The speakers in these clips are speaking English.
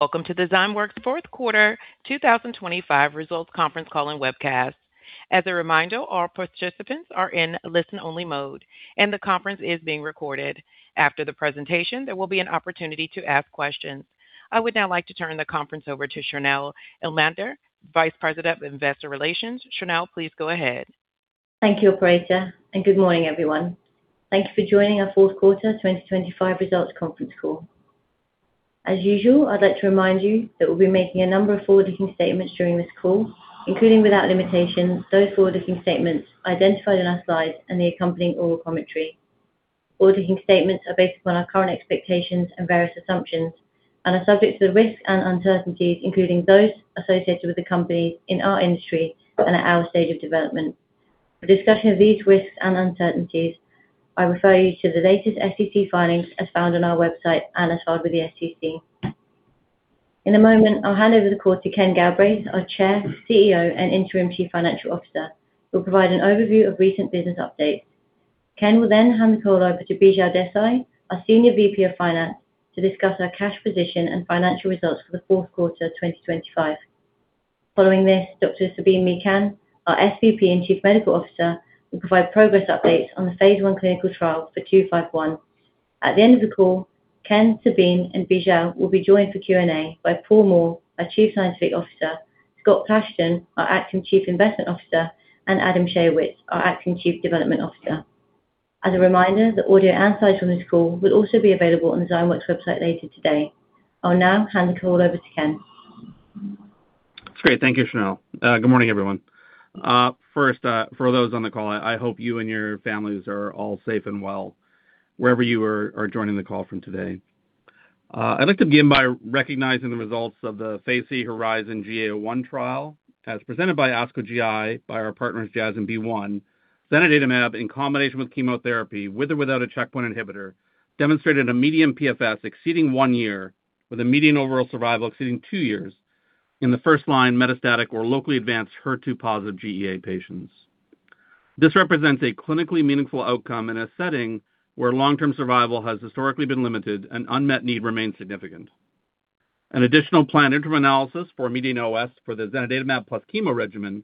Welcome to the Zymeworks fourth quarter 2025 results conference call and webcast. As a reminder, all participants are in listen-only mode, and the conference is being recorded. After the presentation, there will be an opportunity to ask questions. I would now like to turn the conference over to Shrinal Inamdar, Vice President of Investor Relations. Shrinal, please go ahead. Thank you, operator, and good morning, everyone. Thank you for joining our fourth quarter 2025 results conference call. As usual, I'd like to remind you that we'll be making a number of forward-looking statements during this call, including, without limitation, those forward-looking statements identified on our slides and the accompanying oral commentary. Forward-looking statements are based upon our current expectations and various assumptions and are subject to the risks and uncertainties, including those associated with the company in our industry and at our stage of development. For discussion of these risks and uncertainties, I refer you to the latest SEC filings as found on our website and as filed with the SEC. In a moment, I'll hand over the call to Ken Galbraith, our Chair, CEO, and Interim Chief Financial Officer, who'll provide an overview of recent business updates. Ken will hand the call over to Bijal Desai, our Senior Vice President of Finance, to discuss our cash position and financial results for the fourth quarter 2025. Following this, Dr. Sabeen Mekan, our Senior Vice President and Chief Medical Officer, will provide progress updates on the phase 1 clinical trial for Q51. At the end of the call, Ken, Sabeen, and Bijal will be joined for Q&A by Paul Moore, our Chief Scientific Officer, Scott Platshon, our Acting Chief Investment Officer, and Adam Schayowitz, our Acting Chief Development Officer. As a reminder, the audio and slides from this call will also be available on the Zymeworks website later today. I'll now hand the call over to Ken. That's great. Thank you, Shrinal. Good morning, everyone. First, for those on the call, I hope you and your families are all safe and well wherever you are joining the call from today. I'd like to begin by recognizing the results of the phase 3 HERIZON-GEA-01 trial as presented by ASCO GI by our partners Jazz and BeiGene. Zanidatamab in combination with chemotherapy, with or without a checkpoint inhibitor, demonstrated a median PFS exceeding 1 year with a median overall survival exceeding 2 years in the first-line metastatic or locally advanced HER2-positive GEA patients. This represents a clinically meaningful outcome in a setting where long-term survival has historically been limited and unmet need remains significant. An additional planned interim analysis for median OS for the Zanidatamab plus chemo regimen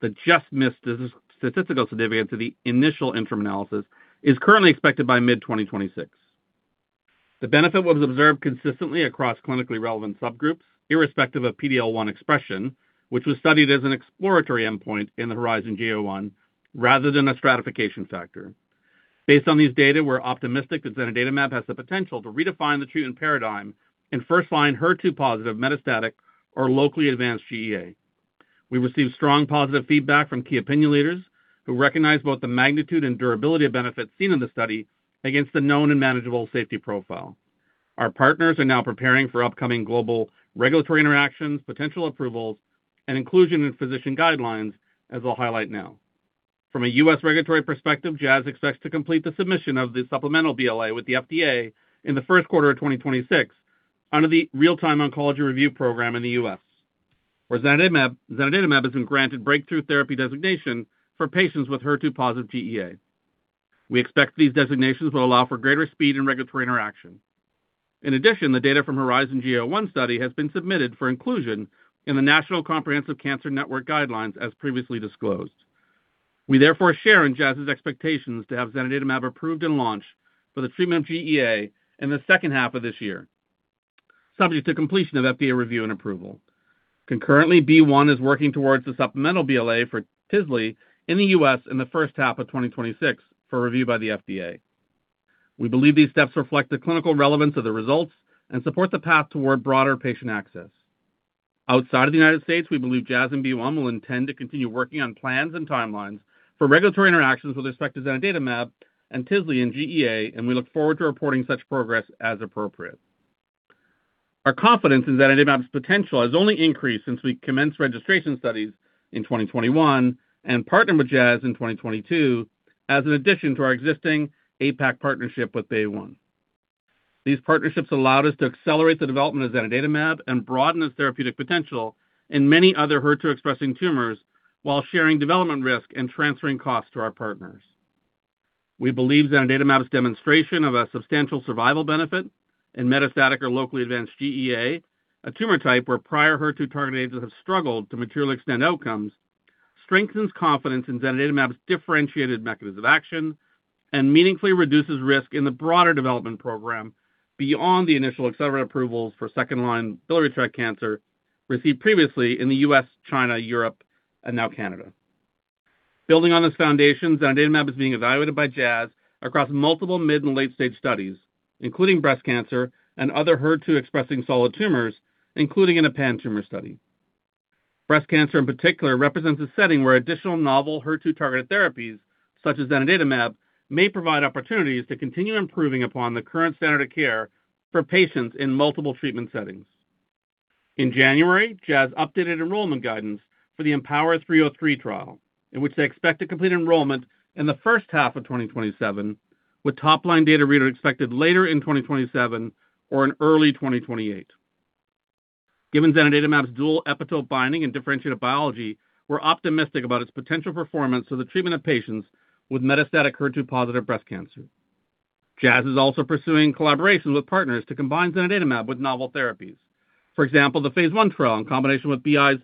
that just missed the statistical significance of the initial interim analysis is currently expected by mid-2026. The benefit was observed consistently across clinically relevant subgroups, irrespective of PDL1 expression, which was studied as an exploratory endpoint in the HERIZON-GEA-01 rather than a stratification factor. Based on these data, we're optimistic that Zanidatamab has the potential to redefine the treatment paradigm in first-line HER2-positive metastatic or locally advanced GEA. We received strong positive feedback from key opinion leaders who recognize both the magnitude and durability of benefits seen in the study against the known and manageable safety profile. Our partners are now preparing for upcoming global regulatory interactions, potential approvals, and inclusion in physician guidelines, as I'll highlight now. From a U.S. regulatory perspective, Jazz expects to complete the submission of the supplemental BLA with the FDA in the first quarter of 2026 under the Real-Time Oncology Review program in the U.S. For Zanidatamab has been granted Breakthrough Therapy designation for patients with HER2 positive GEA. We expect these designations will allow for greater speed and regulatory interaction. In addition, the data from HERIZON-GEA-01 study has been submitted for inclusion in the National Comprehensive Cancer Network guidelines as previously disclosed. We therefore share in Jazz's expectations to have Zanidatamab approved and launched for the treatment of GEA in the second half of this year, subject to completion of FDA review and approval. Concurrently, BeiGene is working towards the supplemental BLA for tislelizumab in the U.S. in the first half of 2026 for review by the FDA. We believe these steps reflect the clinical relevance of the results and support the path toward broader patient access. Outside of the United States, we believe Jazz and BeiGene will intend to continue working on plans and timelines for regulatory interactions with respect to Zanidatamab and tislelizumab in GEA, and we look forward to reporting such progress as appropriate. Our confidence in Zanidatamab's potential has only increased since we commenced registration studies in 2021 and partnered with Jazz in 2022 as an addition to our existing APAC partnership with BeiGene. These partnerships allowed us to accelerate the development of Zanidatamab and broaden its therapeutic potential in many other HER2-expressing tumors while sharing development risk and transferring costs to our partners. We believe Zanidatamab's demonstration of a substantial survival benefit in metastatic or locally advanced GEA, a tumor type where prior HER2 target agents have struggled to materially extend outcomes, strengthens confidence in Zanidatamab's differentiated mechanism of action and meaningfully reduces risk in the broader development program beyond the initial accelerated approvals for second-line biliary tract cancer received previously in the U.S., China, Europe, and now Canada. Building on this foundation, Zanidatamab is being evaluated by Jazz across multiple mid- and late-stage studies, including breast cancer and other HER2-expressing solid tumors, including in a pan-tumor study. Breast cancer, in particular, represents a setting where additional novel HER2-targeted therapies, such as Zanidatamab, may provide opportunities to continue improving upon the current standard of care for patients in multiple treatment settings. In January, Jazz updated enrollment guidance for the EmpowHER 303 trial in which they expect to complete enrollment in the first half of 2027, with top-line data read expected later in 2027 or in early 2028. Given Zanidatamab's dual epitope binding and differentiated biology, we're optimistic about its potential performance for the treatment of patients with metastatic HER2-positive breast cancer. Jazz is also pursuing collaborations with partners to combine Zanidatamab with novel therapies. For example, the phase 1 trial in combination with BI's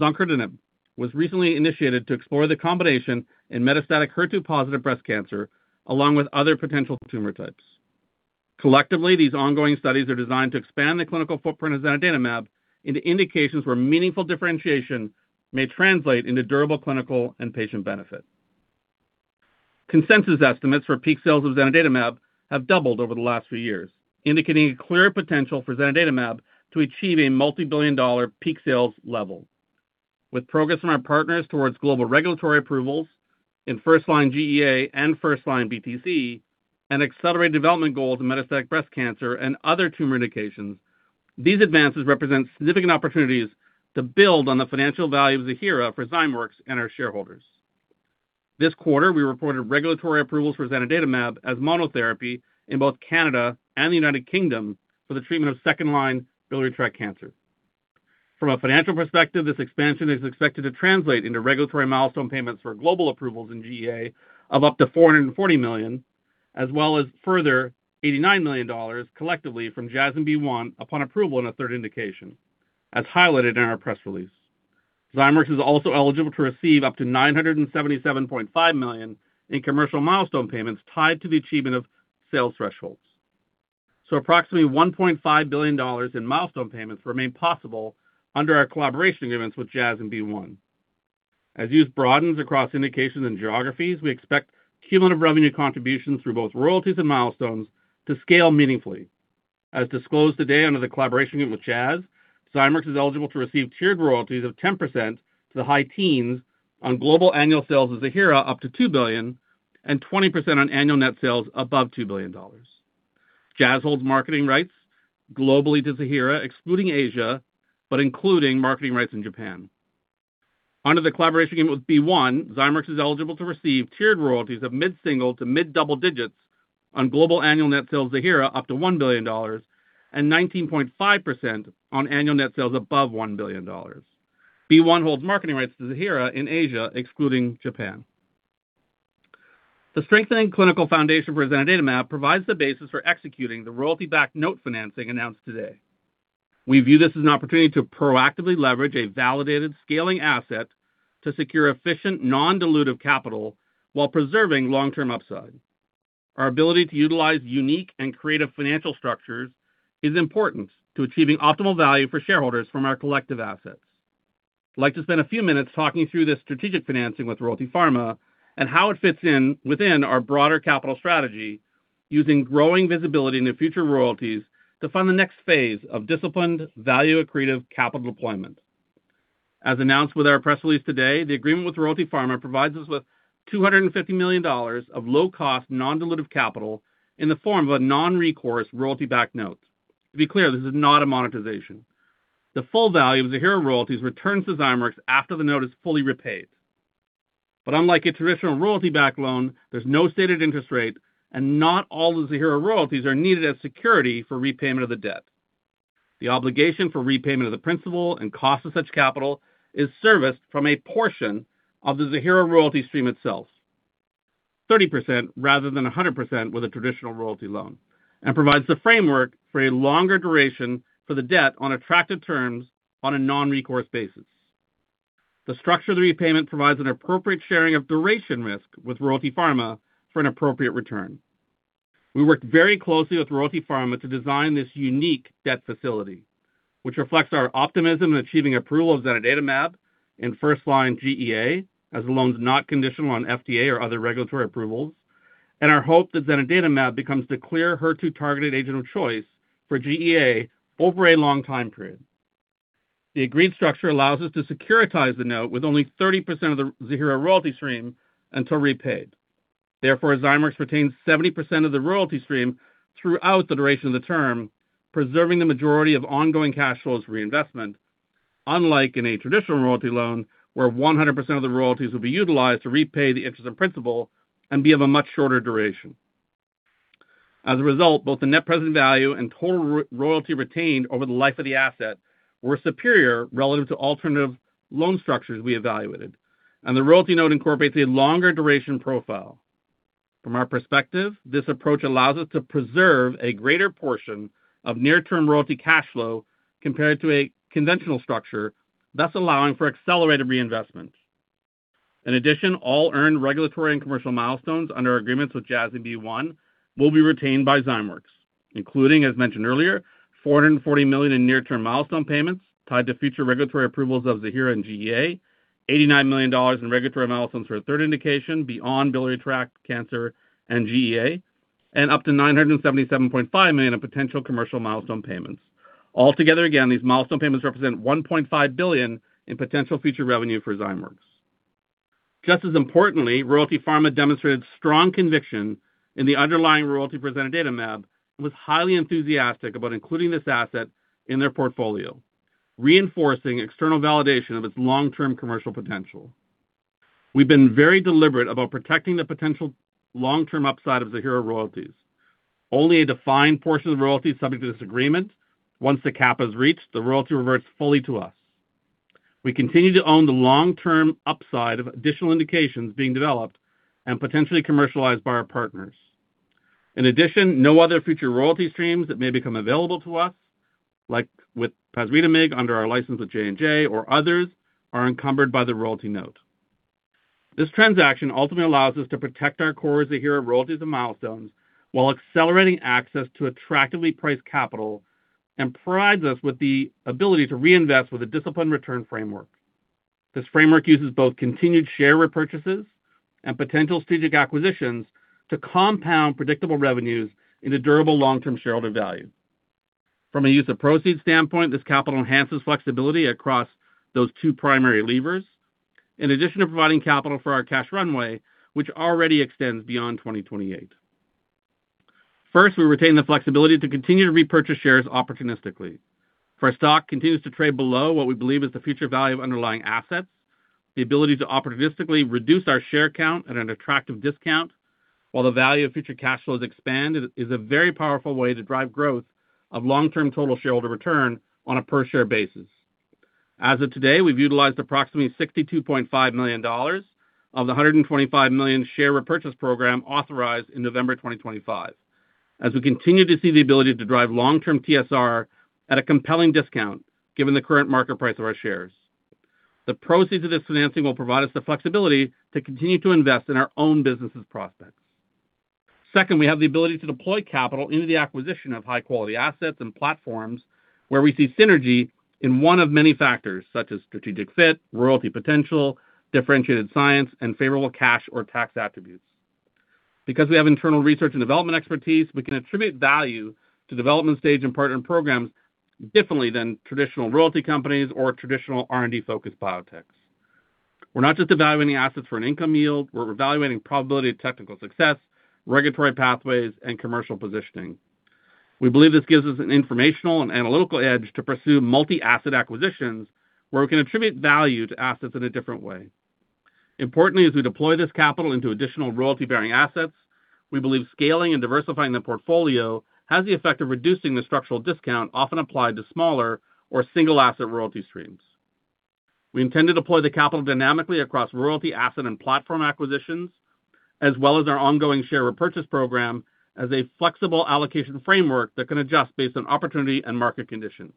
zongertinib was recently initiated to explore the combination in metastatic HER2-positive breast cancer, along with other potential tumor types. Collectively, these ongoing studies are designed to expand the clinical footprint of Zanidatamab into indications where meaningful differentiation may translate into durable clinical and patient benefit. Consensus estimates for peak sales of Zanidatamab have doubled over the last few years, indicating a clear potential for Zanidatamab to achieve a multi-billion dollar peak sales level. With progress from our partners towards global regulatory approvals in first-line GEA and first-line BTC and accelerated development goals in metastatic breast cancer and other tumor indications, these advances represent significant opportunities to build on the financial value of Ziihera for Zymeworks and our shareholders. This quarter, we reported regulatory approvals for Zanidatamab as monotherapy in both Canada and the United Kingdom for the treatment of second-line biliary tract cancer. From a financial perspective, this expansion is expected to translate into regulatory milestone payments for global approvals in GEA of up to $440 million, as well as further $89 million collectively from Jazz and Beigene upon approval in a third indication, as highlighted in our press release. Zymeworks is also eligible to receive up to $977.5 million in commercial milestone payments tied to the achievement of sales thresholds. Approximately $1.5 billion in milestone payments remain possible under our collaboration agreements with Jazz and BeiGene. As use broadens across indications and geographies, we expect cumulative revenue contributions through both royalties and milestones to scale meaningfully. As disclosed today under the collaboration with Jazz, Zymeworks is eligible to receive tiered royalties of 10% to the high teens on global annual sales of Ziihera up to $2 billion and 20% on annual net sales above $2 billion. Jazz holds marketing rights globally to Ziihera, excluding Asia, but including marketing rights in Japan. Under the collaboration agreement with BeiGene, Zymeworks is eligible to receive tiered royalties of mid-single to mid-double digits on global annual net sales of Ziihera up to $1 billion and 19.5% on annual net sales above $1 billion. BeiGene holds marketing rights to Ziihera in Asia, excluding Japan. The strengthening clinical foundation for Zanidatamab provides the basis for executing the royalty-backed note financing announced today. We view this as an opportunity to proactively leverage a validated scaling asset to secure efficient non-dilutive capital while preserving long-term upside. Our ability to utilize unique and creative financial structures is important to achieving optimal value for shareholders from our collective assets. I'd like to spend a few minutes talking through this strategic financing with Royalty Pharma and how it fits in within our broader capital strategy using growing visibility into future royalties to fund the next phase of disciplined value accretive capital deployment. As announced with our press release today, the agreement with Royalty Pharma provides us with $250 million of low-cost non-dilutive capital in the form of a non-recourse royalty-backed note. To be clear, this is not a monetization. The full value of Ziihera royalties returns to Zymeworks after the note is fully repaid. Unlike a traditional royalty-backed loan, there's no stated interest rate, and not all of Ziihera royalties are needed as security for repayment of the debt. The obligation for repayment of the principal and cost of such capital is serviced from a portion of the Ziihera royalty stream itself, 30% rather than 100% with a traditional royalty loan, and provides the framework for a longer duration for the debt on attractive terms on a non-recourse basis. The structure of the repayment provides an appropriate sharing of duration risk with Royalty Pharma for an appropriate return. We worked very closely with Royalty Pharma to design this unique debt facility, which reflects our optimism in achieving approval of Zanidatamab in first line GEA, as the loan is not conditional on FDA or other regulatory approvals, and our hope that Zanidatamab becomes the clear HER2 targeted agent of choice for GEA over a long time period. The agreed structure allows us to securitize the note with only 30% of the Ziihera royalty stream until repaid. Zymeworks retains 70% of the royalty stream throughout the duration of the term, preserving the majority of ongoing cash flows for reinvestment, unlike in a traditional royalty loan, where 100% of the royalties would be utilized to repay the interest and principal and be of a much shorter duration. Both the net present value and total royalty retained over the life of the asset were superior relative to alternative loan structures we evaluated, and the royalty note incorporates a longer duration profile. From our perspective, this approach allows us to preserve a greater portion of near-term royalty cash flow compared to a conventional structure, thus allowing for accelerated reinvestment. In addition, all earned regulatory and commercial milestones under our agreements with Jazz and BeiGene will be retained by Zymeworks, including, as mentioned earlier, $440 million in near-term milestone payments tied to future regulatory approvals of Ziihera and GEA, $89 million in regulatory milestones for a third indication beyond biliary tract cancer and GEA, and up to $977.5 million in potential commercial milestone payments. Altogether, again, these milestone payments represent $1.5 billion in potential future revenue for Zymeworks. Just as importantly, Royalty Pharma demonstrated strong conviction in the underlying royalty for Zanidatamab and was highly enthusiastic about including this asset in their portfolio, reinforcing external validation of its long-term commercial potential. We've been very deliberate about protecting the potential long-term upside of Ziihera royalties. Only a defined portion of the royalty is subject to this agreement. Once the cap is reached, the royalty reverts fully to us. We continue to own the long-term upside of additional indications being developed and potentially commercialized by our partners. In addition, no other future royalty streams that may become available to us, like with pasritamig under our license with J&J or others, are encumbered by the royalty note. This transaction ultimately allows us to protect our core HER2 royalties and milestones while accelerating access to attractively priced capital and provides us with the ability to reinvest with a disciplined return framework. This framework uses both continued share repurchases and potential strategic acquisitions to compound predictable revenues into durable long-term shareholder value. From a use of proceeds standpoint, this capital enhances flexibility across those two primary levers. In addition to providing capital for our cash runway, which already extends beyond 2028. First, we retain the flexibility to continue to repurchase shares opportunistically. If our stock continues to trade below what we believe is the future value of underlying assets, the ability to opportunistically reduce our share count at an attractive discount while the value of future cash flows expand is a very powerful way to drive growth of long-term total shareholder return on a per-share basis. As of today, we've utilized approximately $62.5 million of the $125 million share repurchase program authorized in November 2025. As we continue to see the ability to drive long-term TSR at a compelling discount, given the current market price of our shares. The proceeds of this financing will provide us the flexibility to continue to invest in our own business' prospects. Second, we have the ability to deploy capital into the acquisition of high-quality assets and platforms where we see synergy in one of many factors such as strategic fit, royalty potential, differentiated science, and favorable cash or tax attributes. Because we have internal research and development expertise, we can attribute value to development stage and partner programs differently than traditional royalty companies or traditional R&D-focused biotechs. We're not just evaluating assets for an income yield. We're evaluating probability of technical success, regulatory pathways, and commercial positioning. We believe this gives us an informational and analytical edge to pursue multi-asset acquisitions where we can attribute value to assets in a different way. Importantly, as we deploy this capital into additional royalty-bearing assets, we believe scaling and diversifying the portfolio has the effect of reducing the structural discount often applied to smaller or single-asset royalty streams. We intend to deploy the capital dynamically across royalty asset and platform acquisitions, as well as our ongoing share repurchase program as a flexible allocation framework that can adjust based on opportunity and market conditions.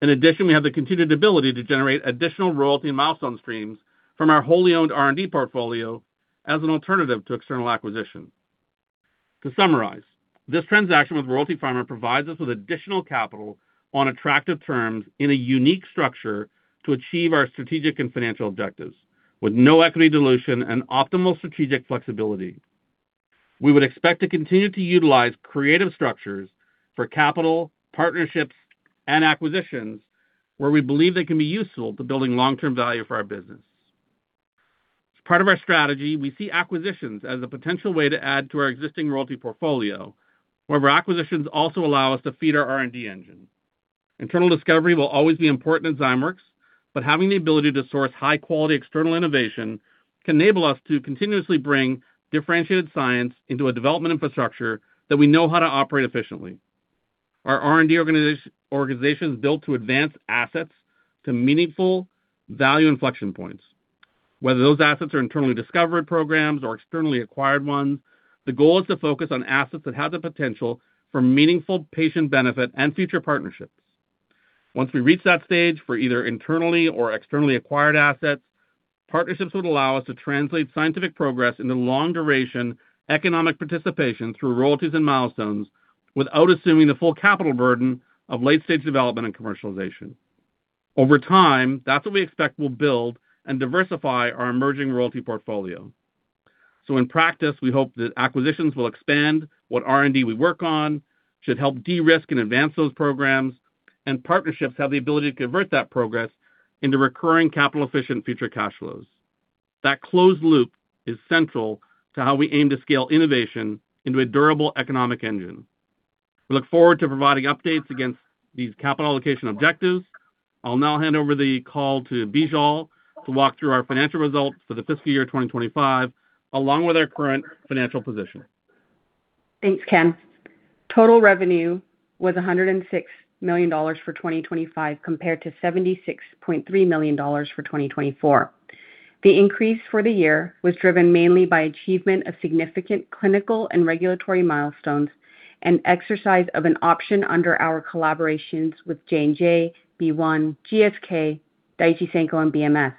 In addition, we have the continued ability to generate additional royalty and milestone streams from our wholly owned R&D portfolio as an alternative to external acquisition. To summarize, this transaction with Royalty Pharma provides us with additional capital on attractive terms in a unique structure to achieve our strategic and financial objectives with no equity dilution and optimal strategic flexibility. We would expect to continue to utilize creative structures for capital, partnerships, and acquisitions where we believe they can be useful to building long-term value for our business. As part of our strategy, we see acquisitions as a potential way to add to our existing royalty portfolio. Acquisitions also allow us to feed our R&D engine. Internal discovery will always be important in Zymeworks, but having the ability to source high-quality external innovation can enable us to continuously bring differentiated science into a development infrastructure that we know how to operate efficiently. Our R&D organization is built to advance assets to meaningful value inflection points. Whether those assets are internally discovered programs or externally acquired ones, the goal is to focus on assets that have the potential for meaningful patient benefit and future partnerships. Once we reach that stage for either internally or externally acquired assets, partnerships would allow us to translate scientific progress into long-duration economic participation through royalties and milestones without assuming the full capital burden of late-stage development and commercialization. Over time, that's what we expect will build and diversify our emerging royalty portfolio. In practice, we hope that acquisitions will expand what R&D we work on, should help de-risk and advance those programs, and partnerships have the ability to convert that progress into recurring capital-efficient future cash flows. That closed loop is central to how we aim to scale innovation into a durable economic engine. We look forward to providing updates against these capital allocation objectives. I'll now hand over the call to Bijal to walk through our financial results for the fiscal year 2025, along with our current financial position. Thanks, Ken. Total revenue was $106 million for 2025, compared to $76.3 million for 2024. The increase for the year was driven mainly by achievement of significant clinical and regulatory milestones and exercise of an option under our collaborations with J&J, Boehringer Ingelheim, GSK, Daiichi Sankyo, and BMS.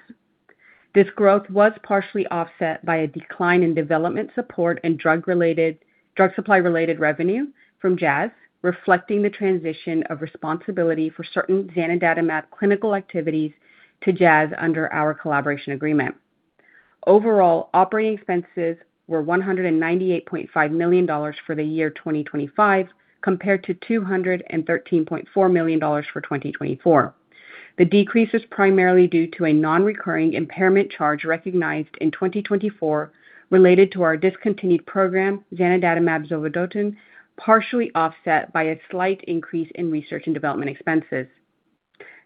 This growth was partially offset by a decline in development support and drug supply-related revenue from Jazz, reflecting the transition of responsibility for certain Zanidatamab clinical activities to Jazz under our collaboration agreement. Overall, operating expenses were $198.5 million for the year 2025, compared to $213.4 million for 2024. The decrease is primarily due to a non-recurring impairment charge recognized in 2024 related to our discontinued program, Zanidatamab zovodotin, partially offset by a slight increase in research and development expenses.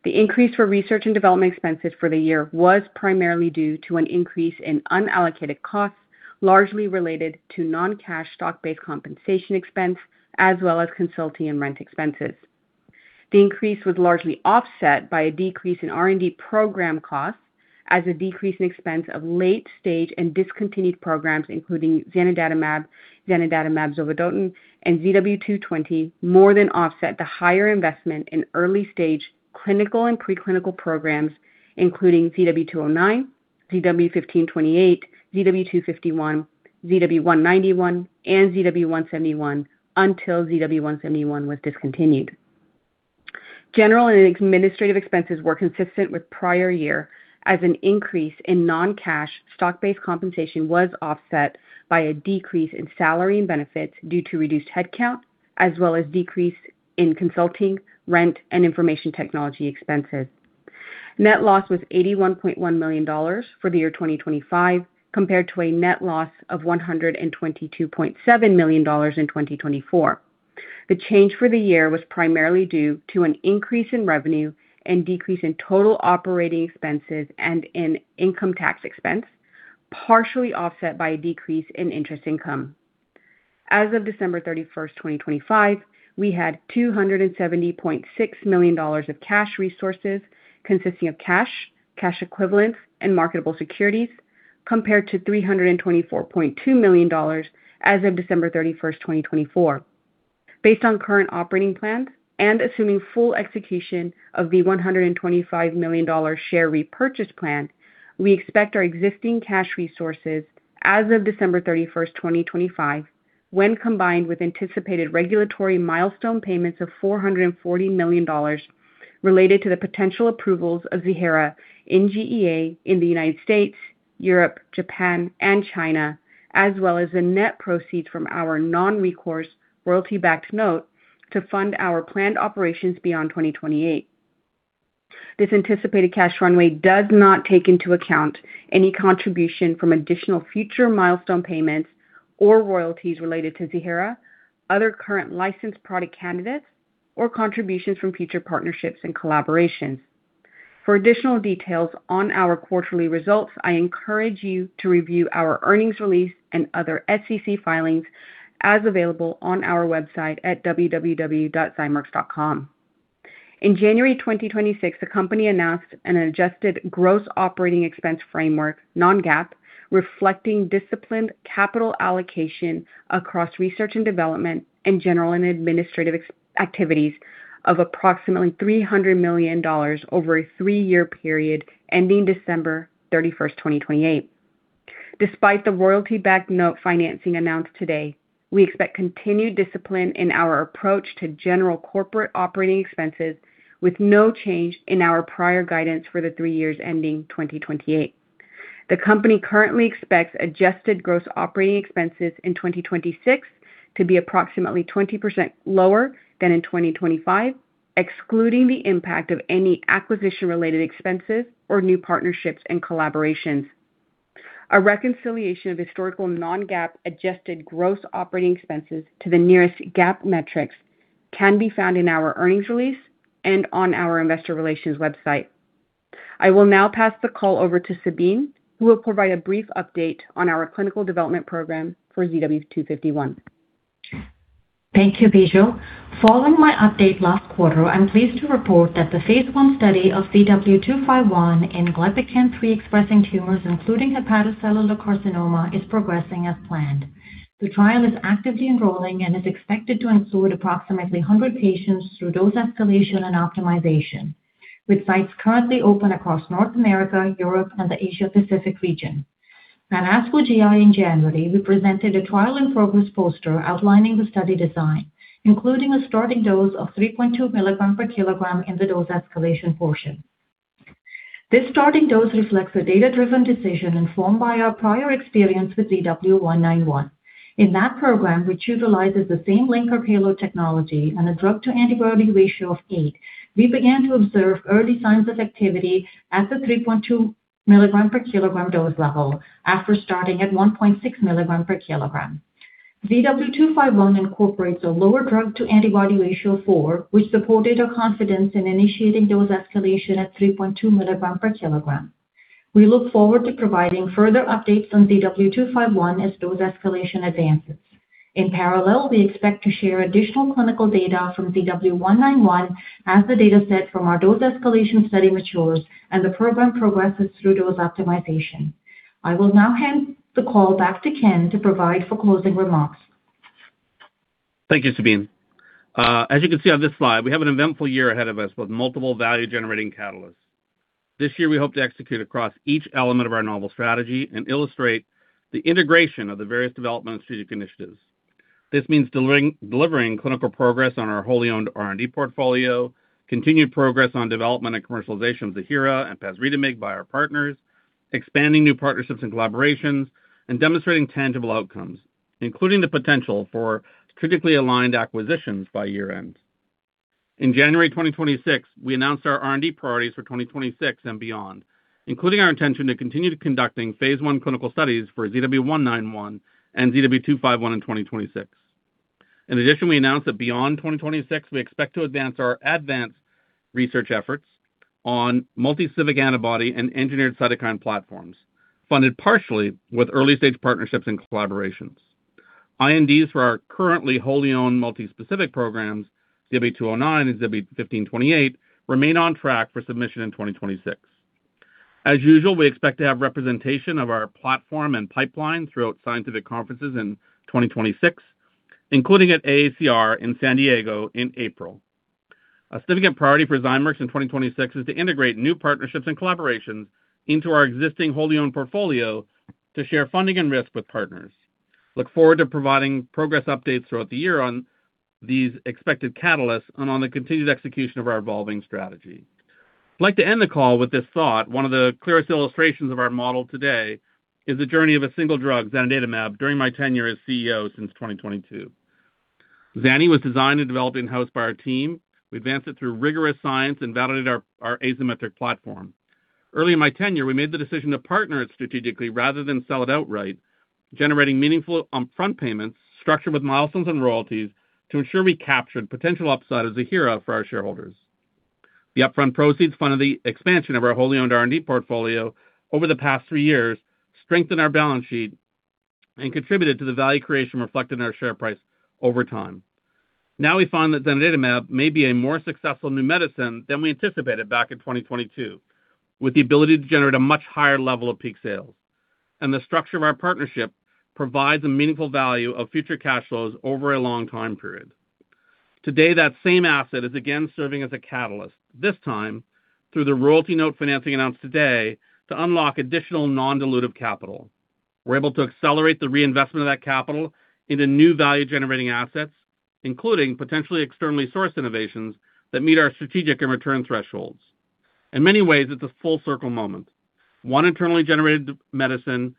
The increase for research and development expenses for the year was primarily due to an increase in unallocated costs, largely related to non-cash stock-based compensation expense, as well as consulting and rent expenses. The increase was largely offset by a decrease in R&D program costs as a decrease in expense of late-stage and discontinued programs, including Zanidatamab zovodotin, and ZW220, more than offset the higher investment in early-stage clinical and preclinical programs, including ZW209, ZW1528, ZW251, ZW191, and ZW171 until ZW171 was discontinued. General and administrative expenses were consistent with prior year as an increase in non-cash stock-based compensation was offset by a decrease in salary and benefits due to reduced headcount as well as decrease in consulting, rent, and information technology expenses. Net loss was $81.1 million for the year 2025 compared to a net loss of $122.7 million in 2024. The change for the year was primarily due to an increase in revenue and decrease in total operating expenses and in income tax expense, partially offset by a decrease in interest income. As of December 31, 2025, we had $270.6 million of cash resources consisting of cash equivalents, and marketable securities compared to $324.2 million as of December 31, 2024. Based on current operating plans and assuming full execution of the $125 million share repurchase plan, we expect our existing cash resources as of December 31, 2025, when combined with anticipated regulatory milestone payments of $440 million related to the potential approvals of Ziihera in GEA in the United States, Europe, Japan, and China, as well as the net proceeds from our non-recourse royalty-backed note to fund our planned operations beyond 2028. This anticipated cash runway does not take into account any contribution from additional future milestone payments or royalties related to Ziihera, other current licensed product candidates, or contributions from future partnerships and collaborations. For additional details on our quarterly results, I encourage you to review our earnings release and other SEC filings as available on our website at www.zymeworks.com. In January 2026, the company announced an adjusted gross operating expense framework, non-GAAP, reflecting disciplined capital allocation across research and development and general and administrative ex-activities of approximately $300 million over a 3-year period ending December 31st, 2028. Despite the royalty-backed note financing announced today, we expect continued discipline in our approach to general corporate operating expenses with no change in our prior guidance for the 3 years ending 2028. The company currently expects adjusted gross operating expenses in 2026 to be approximately 20% lower than in 2025, excluding the impact of any acquisition-related expenses or new partnerships and collaborations. A reconciliation of historical non-GAAP adjusted gross operating expenses to the nearest GAAP metrics can be found in our earnings release and on our investor relations website. I will now pass the call over to Sabeen, who will provide a brief update on our clinical development program for ZW251. Thank you, Bijal. Following my update last quarter, I'm pleased to report that the phase 1 study of ZW251 in glypican-3 expressing tumors, including hepatocellular carcinoma, is progressing as planned. The trial is actively enrolling and is expected to include approximately 100 patients through dose escalation and optimization, with sites currently open across North America, Europe, and the Asia Pacific region. At ASCO GI in January, we presented a trial in progress poster outlining the study design, including a starting dose of 3.2mg per kg in the dose escalation portion. This starting dose reflects a data-driven decision informed by our prior experience with ZW191. In that program, which utilizes the same linker halo technology and a drug-to-antibody ratio of 8, we began to observe early signs of activity at the 3.2mg per kg dose level after starting at 1.6mg per kg. ZW251 incorporates a lower drug-to-antibody ratio of 4, which supported our confidence in initiating dose escalation at 3.2mg per kg. We look forward to providing further updates on ZW251 as dose escalation advances. In parallel, we expect to share additional clinical data from ZW191 as the dataset from our dose escalation study matures and the program progresses through dose optimization. I will now hand the call back to Ken to provide for closing remarks. Thank you, Sabeen. As you can see on this slide, we have an eventful year ahead of us with multiple value-generating catalysts. This year, we hope to execute across each element of our novel strategy and illustrate the integration of the various development strategic initiatives. This means delivering clinical progress on our wholly owned R&D portfolio, continued progress on development and commercialization of Ziihera and pasritamig by our partners, expanding new partnerships and collaborations, and demonstrating tangible outcomes, including the potential for critically aligned acquisitions by year-end. In January 2026, we announced our R&D priorities for 2026 and beyond, including our intention to continue conducting phase 1 clinical studies for ZW191 and ZW251 in 2026. We announced that beyond 2026, we expect to advance our advanced research efforts on multispecific antibody and engineered cytokine platforms, funded partially with early-stage partnerships and collaborations. INDs for our currently wholly owned multispecific programs, ZW209 and ZW1528, remain on track for submission in 2026. We expect to have representation of our platform and pipeline throughout scientific conferences in 2026, including at AACR in San Diego in April. A significant priority for Zymeworks in 2026 is to integrate new partnerships and collaborations into our existing wholly owned portfolio to share funding and risk with partners. Look forward to providing progress updates throughout the year on these expected catalysts and on the continued execution of our evolving strategy. I'd like to end the call with this thought. One of the clearest illustrations of our model today is the journey of a single drug, Zanidatamab, during my tenure as CEO since 2022. Zanidatamab was designed and developed in-house by our team. We advanced it through rigorous science and validated our Azymetric platform. Early in my tenure, we made the decision to partner it strategically rather than sell it outright, generating meaningful upfront payments structured with milestones and royalties to ensure we captured potential upside as a hero for our shareholders. The upfront proceeds funded the expansion of our wholly owned R&D portfolio over the past 3 years, strengthened our balance sheet, and contributed to the value creation reflected in our share price over time. Now we find that Zanidatamab may be a more successful new medicine than we anticipated back in 2022, with the ability to generate a much higher level of peak sales. The structure of our partnership provides a meaningful value of future cash flows over a long time period. Today, that same asset is again serving as a catalyst, this time through the royalty note financing announced today to unlock additional non-dilutive capital. We're able to accelerate the reinvestment of that capital into new value-generating assets, including potentially externally sourced innovations that meet our strategic and return thresholds. In many ways, it's a full circle moment. One internally generated medicine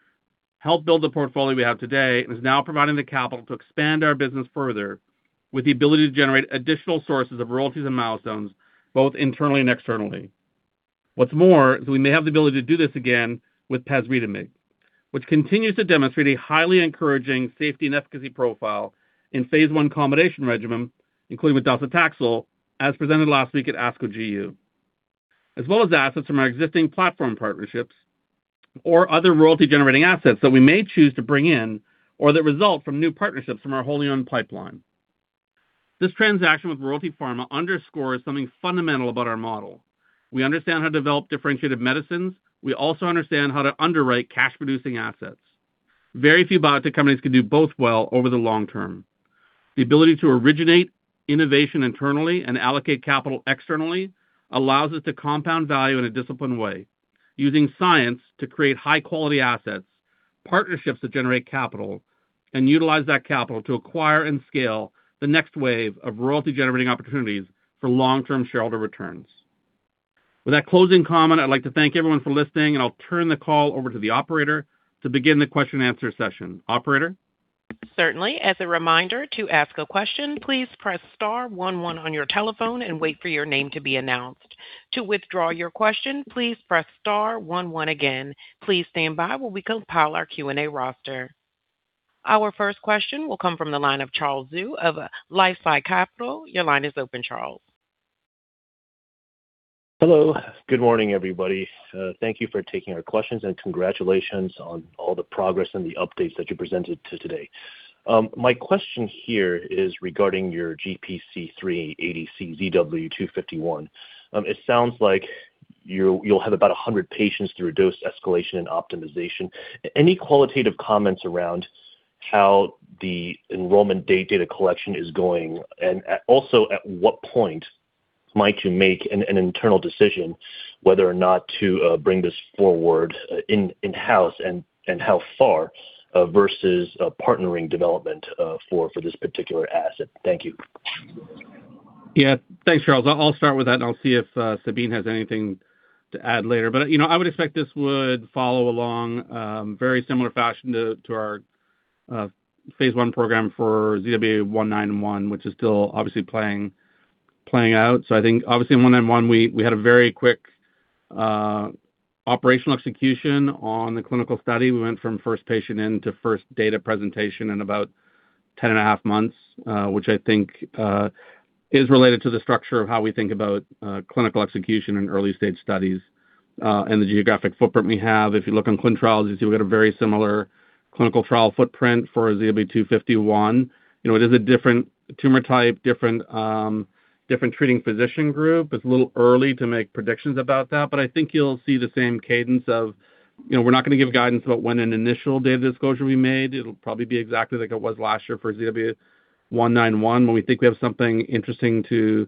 helped build the portfolio we have today and is now providing the capital to expand our business further with the ability to generate additional sources of royalties and milestones, both internally and externally. What's more is we may have the ability to do this again with pasritamig, which continues to demonstrate a highly encouraging safety and efficacy profile in phase 1 combination regimen, including with docetaxel, as presented last week at ASCO GU. Assets from our existing platform partnerships or other royalty-generating assets that we may choose to bring in or that result from new partnerships from our wholly owned pipeline. This transaction with Royalty Pharma underscores something fundamental about our model. We understand how to develop differentiated medicines. We also understand how to underwrite cash-producing assets. Very few biotech companies can do both well over the long term. The ability to originate innovation internally and allocate capital externally allows us to compound value in a disciplined way, using science to create high-quality assets, partnerships that generate capital, and utilize that capital to acquire and scale the next wave of royalty-generating opportunities for long-term shareholder returns. With that closing comment, I'd like to thank everyone for listening. I'll turn the call over to the operator to begin the question and answer session. Operator? Certainly. As a reminder, to ask a question, please press star one one on your telephone and wait for your name to be announced. To withdraw your question, please press star one one again. Please stand by while we compile our Q&A roster. Our first question will come from the line of Charles Zhu of LifeSci Capital. Your line is open, Charles. Hello. Good morning, everybody. Thank you for taking our questions, and congratulations on all the progress and the updates that you presented today. My question here is regarding your GPC3 ADC ZW251. It sounds like you'll have about 100 patients through dose escalation and optimization. Any qualitative comments around how the enrollment date data collection is going? Also, at what point might you make an internal decision whether or not to bring this forward in-house and how far versus partnering development for this particular asset? Thank you. Thanks, Charles. I'll start with that, and I'll see if Sabeen has anything to add later. You know, I would expect this would follow along very similar fashion to our phase 1 program for ZW191, which is still obviously playing out. I think obviously in 191 we had a very quick operational execution on the clinical study. We went from first patient in to first data presentation in about 10 and a half months, which I think is related to the structure of how we think about clinical execution in early-stage studies, and the geographic footprint we have. If you look on ClinicalTrials.gov, you'll see we've got a very similar clinical trial footprint for ZW251. You know, it is a different tumor type, different treating physician group. It's a little early to make predictions about that. I think you'll see the same cadence of, you know, we're not gonna give guidance about when an initial data disclosure will be made. It'll probably be exactly like it was last year for ZW191. When we think we have something interesting to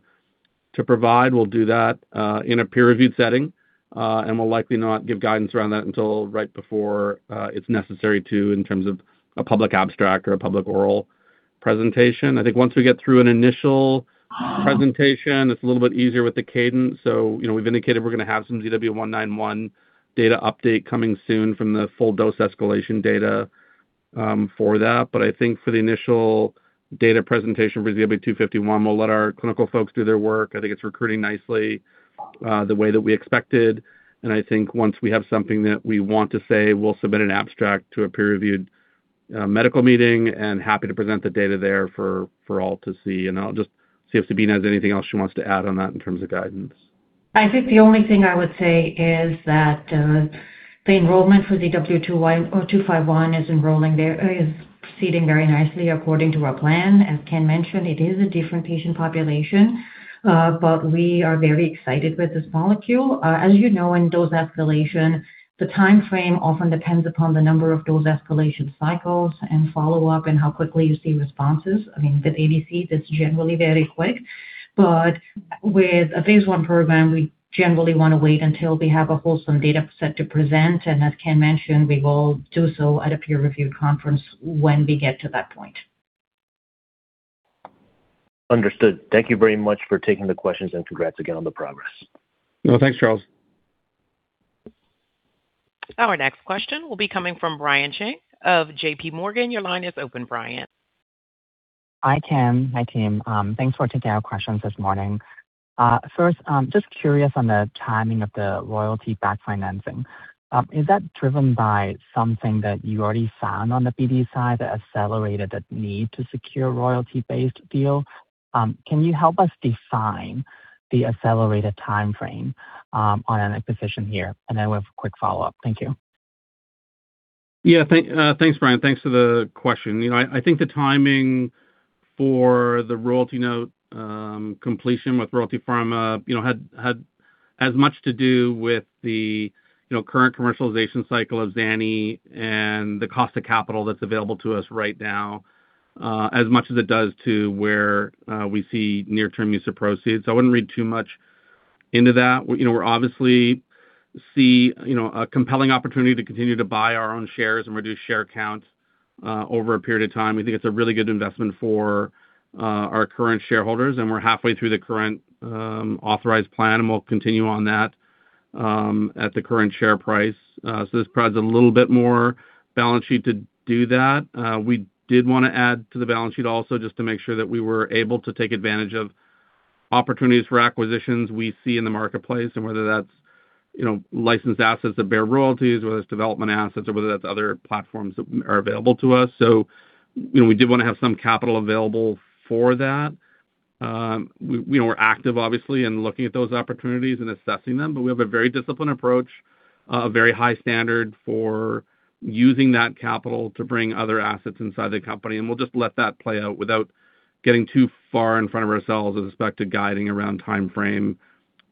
provide, we'll do that in a peer-reviewed setting, and we'll likely not give guidance around that until right before it's necessary to in terms of a public abstract or a public oral presentation. I think once we get through an initial presentation, it's a little bit easier with the cadence. You know, we've indicated we're gonna have some ZW191 data update coming soon from the full dose escalation data for that. I think for the initial data presentation for ZW251, we'll let our clinical folks do their work. I think it's recruiting nicely, the way that we expected. I think once we have something that we want to say, we'll submit an abstract to a peer-reviewed, medical meeting and happy to present the data there for all to see. I'll just see if Sabeen has anything else she wants to add on that in terms of guidance. I think the only thing I would say is that the enrollment for the ZW251 is proceeding very nicely according to our plan. As Ken mentioned, it is a different patient population, we are very excited with this molecule. As you know, in dose escalation, the time frame often depends upon the number of dose escalation cycles and follow-up and how quickly you see responses. I mean, with ADC, that's generally very quick. With a phase 1 program, we generally want to wait until we have a wholesome data set to present. As Ken mentioned, we will do so at a peer review conference when we get to that point. Understood. Thank you very much for taking the questions, and congrats again on the progress. No, thanks, Charles. Our next question will be coming from Brian Cheng of JPMorgan. Your line is open, Brian. Hi, Ken. Hi, team. Thanks for taking our questions this morning. First, I'm just curious on the timing of the royalty back financing. Is that driven by something that you already found on the BD side that accelerated that need to secure royalty-based deal? Can you help us define the accelerated timeframe on an acquisition here? With a quick follow-up. Thank you. Yeah. Thanks, Brian. Thanks for the question. You know, I think the timing for the royalty note, completion with Royalty Pharma, you know, had as much to do with the, you know, current commercialization cycle of Zanidatamab and the cost of capital that's available to us right now, as much as it does to where we see near-term use of proceeds. I wouldn't read too much into that. You know, we're obviously see, you know, a compelling opportunity to continue to buy our own shares and reduce share count over a period of time. We think it's a really good investment for our current shareholders, and we're halfway through the current authorized plan, and we'll continue on that at the current share price. This provides a little bit more balance sheet to do that. We did wanna add to the balance sheet also just to make sure that we were able to take advantage of opportunities for acquisitions we see in the marketplace and whether that's, you know, licensed assets that bear royalties, whether it's development assets or whether that's other platforms that are available to us. You know, we did wanna have some capital available for that. We were active obviously in looking at those opportunities and assessing them, but we have a very disciplined approach, a very high standard for using that capital to bring other assets inside the company. We'll just let that play out without getting too far in front of ourselves with respect to guiding around timeframe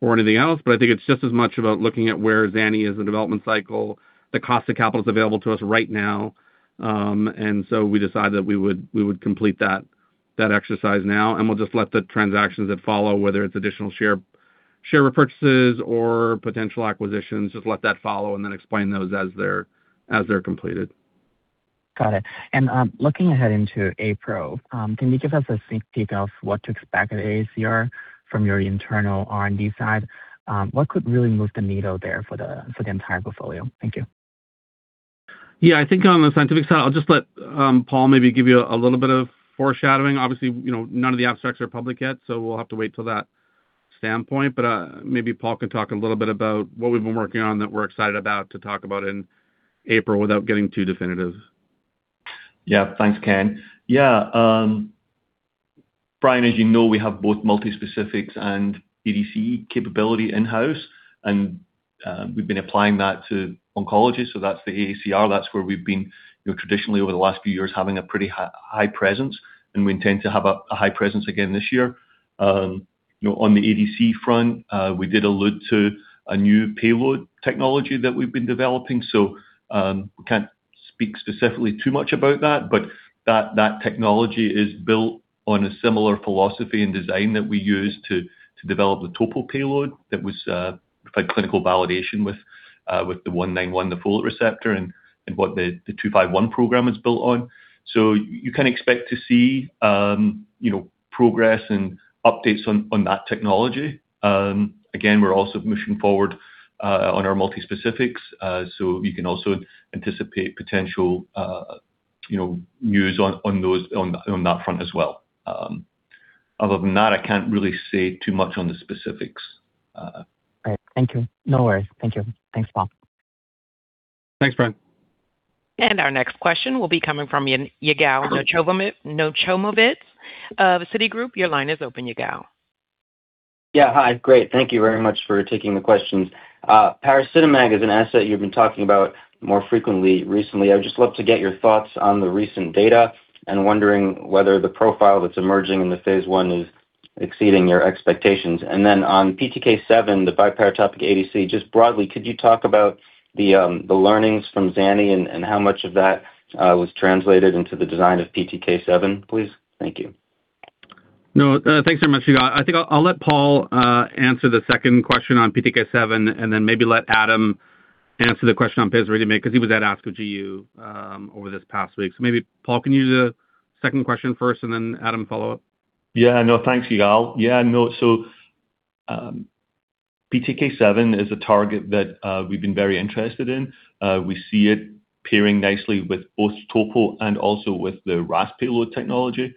or anything else. I think it's just as much about looking at where Zanidatamab is in development cycle, the cost of capital is available to us right now. We decided that we would complete that exercise now, and we'll just let the transactions that follow, whether it's additional share repurchases or potential acquisitions, just let that follow and then explain those as they're completed. Got it. Looking ahead into April, can you give us a sneak peek of what to expect at AACR from your internal R&D side? What could really move the needle there for the, for the entire portfolio? Thank you. Yeah. I think on the scientific side, I'll just let Paul maybe give you a little bit of foreshadowing. Obviously, you know, none of the abstracts are public yet. We'll have to wait till that standpoint. Maybe Paul can talk a little bit about what we've been working on that we're excited about to talk about in April without getting too definitive. Yeah. Thanks, Ken. Yeah, Brian, as you know, we have both multispecifics and ADC capability in-house, and we've been applying that to oncologists. That's the AACR. That's where we've been, you know, traditionally over the last few years, having a pretty high presence, and we intend to have a high presence again this year. You know, on the ADC front, we did allude to a new payload technology that we've been developing. We can't speak specifically too much about that, but that technology is built on a similar philosophy and design that we use to develop the topoisomerase payload that was had clinical validation with the 191, the folate receptor, and what the 251 program is built on. You can expect to see, you know, progress and updates on that technology. Again, we're also pushing forward on our multispecifics, so you can also anticipate potential, you know, news on those on that front as well. Other than that, I can't really say too much on the specifics. All right. Thank you. No worries. Thank you. Thanks, Paul. Thanks, Brian. Our next question will be coming from Yigal Nochomovitz of Citigroup. Your line is open, Yigal. Yeah. Hi. Great. Thank you very much for taking the questions. Pasritamig is an asset you've been talking about more frequently recently. I'd just love to get your thoughts on the recent data and wondering whether the profile that's emerging in the phase 1 is exceeding your expectations. On PTK7, the biparatopic ADC, just broadly, could you talk about the learnings from Zanidatamab and how much of that was translated into the design of PTK7, please? Thank you. No, thanks very much, Yigal. I think I'll let Paul answer the second question on PTK7 and then maybe let Adam answer the question on pasritamig 'cause he was at ASCO GU over this past week. Maybe, Paul, can you do the second question first and then add a follow up? Thanks, Yigal. PTK7 is a target that we've been very interested in. We see it pairing nicely with both TOPO and also with the RAS payload technology.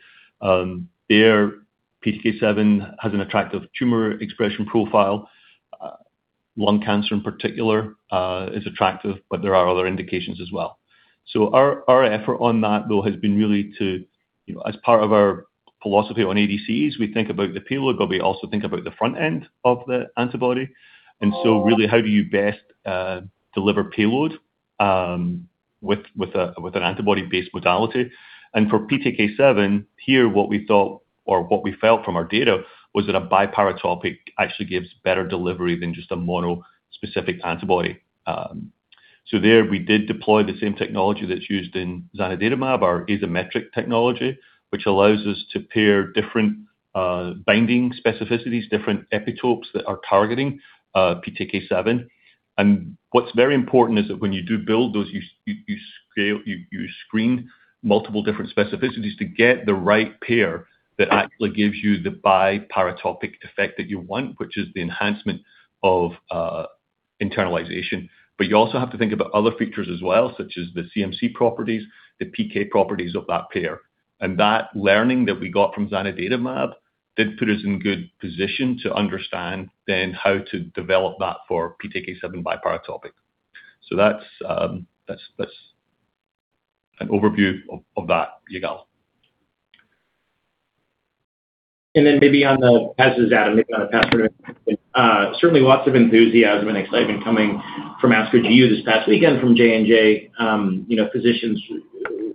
PTK7 has an attractive tumor expression profile. Lung cancer in particular is attractive, but there are other indications as well. Our, our effort on that, though, has been really to, you know, as part of our Philosophy on ADCs. We think about the payload, but we also think about the front end of the antibody. Really how do you best deliver payload with an antibody-based modality. For PTK7 here, what we thought or what we felt from our data was that a biparatopic actually gives better delivery than just a monospecific antibody. There we did deploy the same technology that's used in Zanidatamab, our Azymetric technology, which allows us to pair different binding specificities, different epitopes that are targeting PTK7. What's very important is that when you do build those, you scale, you screen multiple different specificities to get the right pair that actually gives you the biparatopic effect that you want, which is the enhancement of internalization. You also have to think about other features as well, such as the CMC properties, the PK properties of that pair. That learning that we got from Zanidatamab did put us in good position to understand then how to develop that for PTK7 biparatopic. That's an overview of that, Yigal. Maybe on the pasritamig data. Certainly lots of enthusiasm and excitement coming from ASCO GU this past weekend from J&J. You know, physicians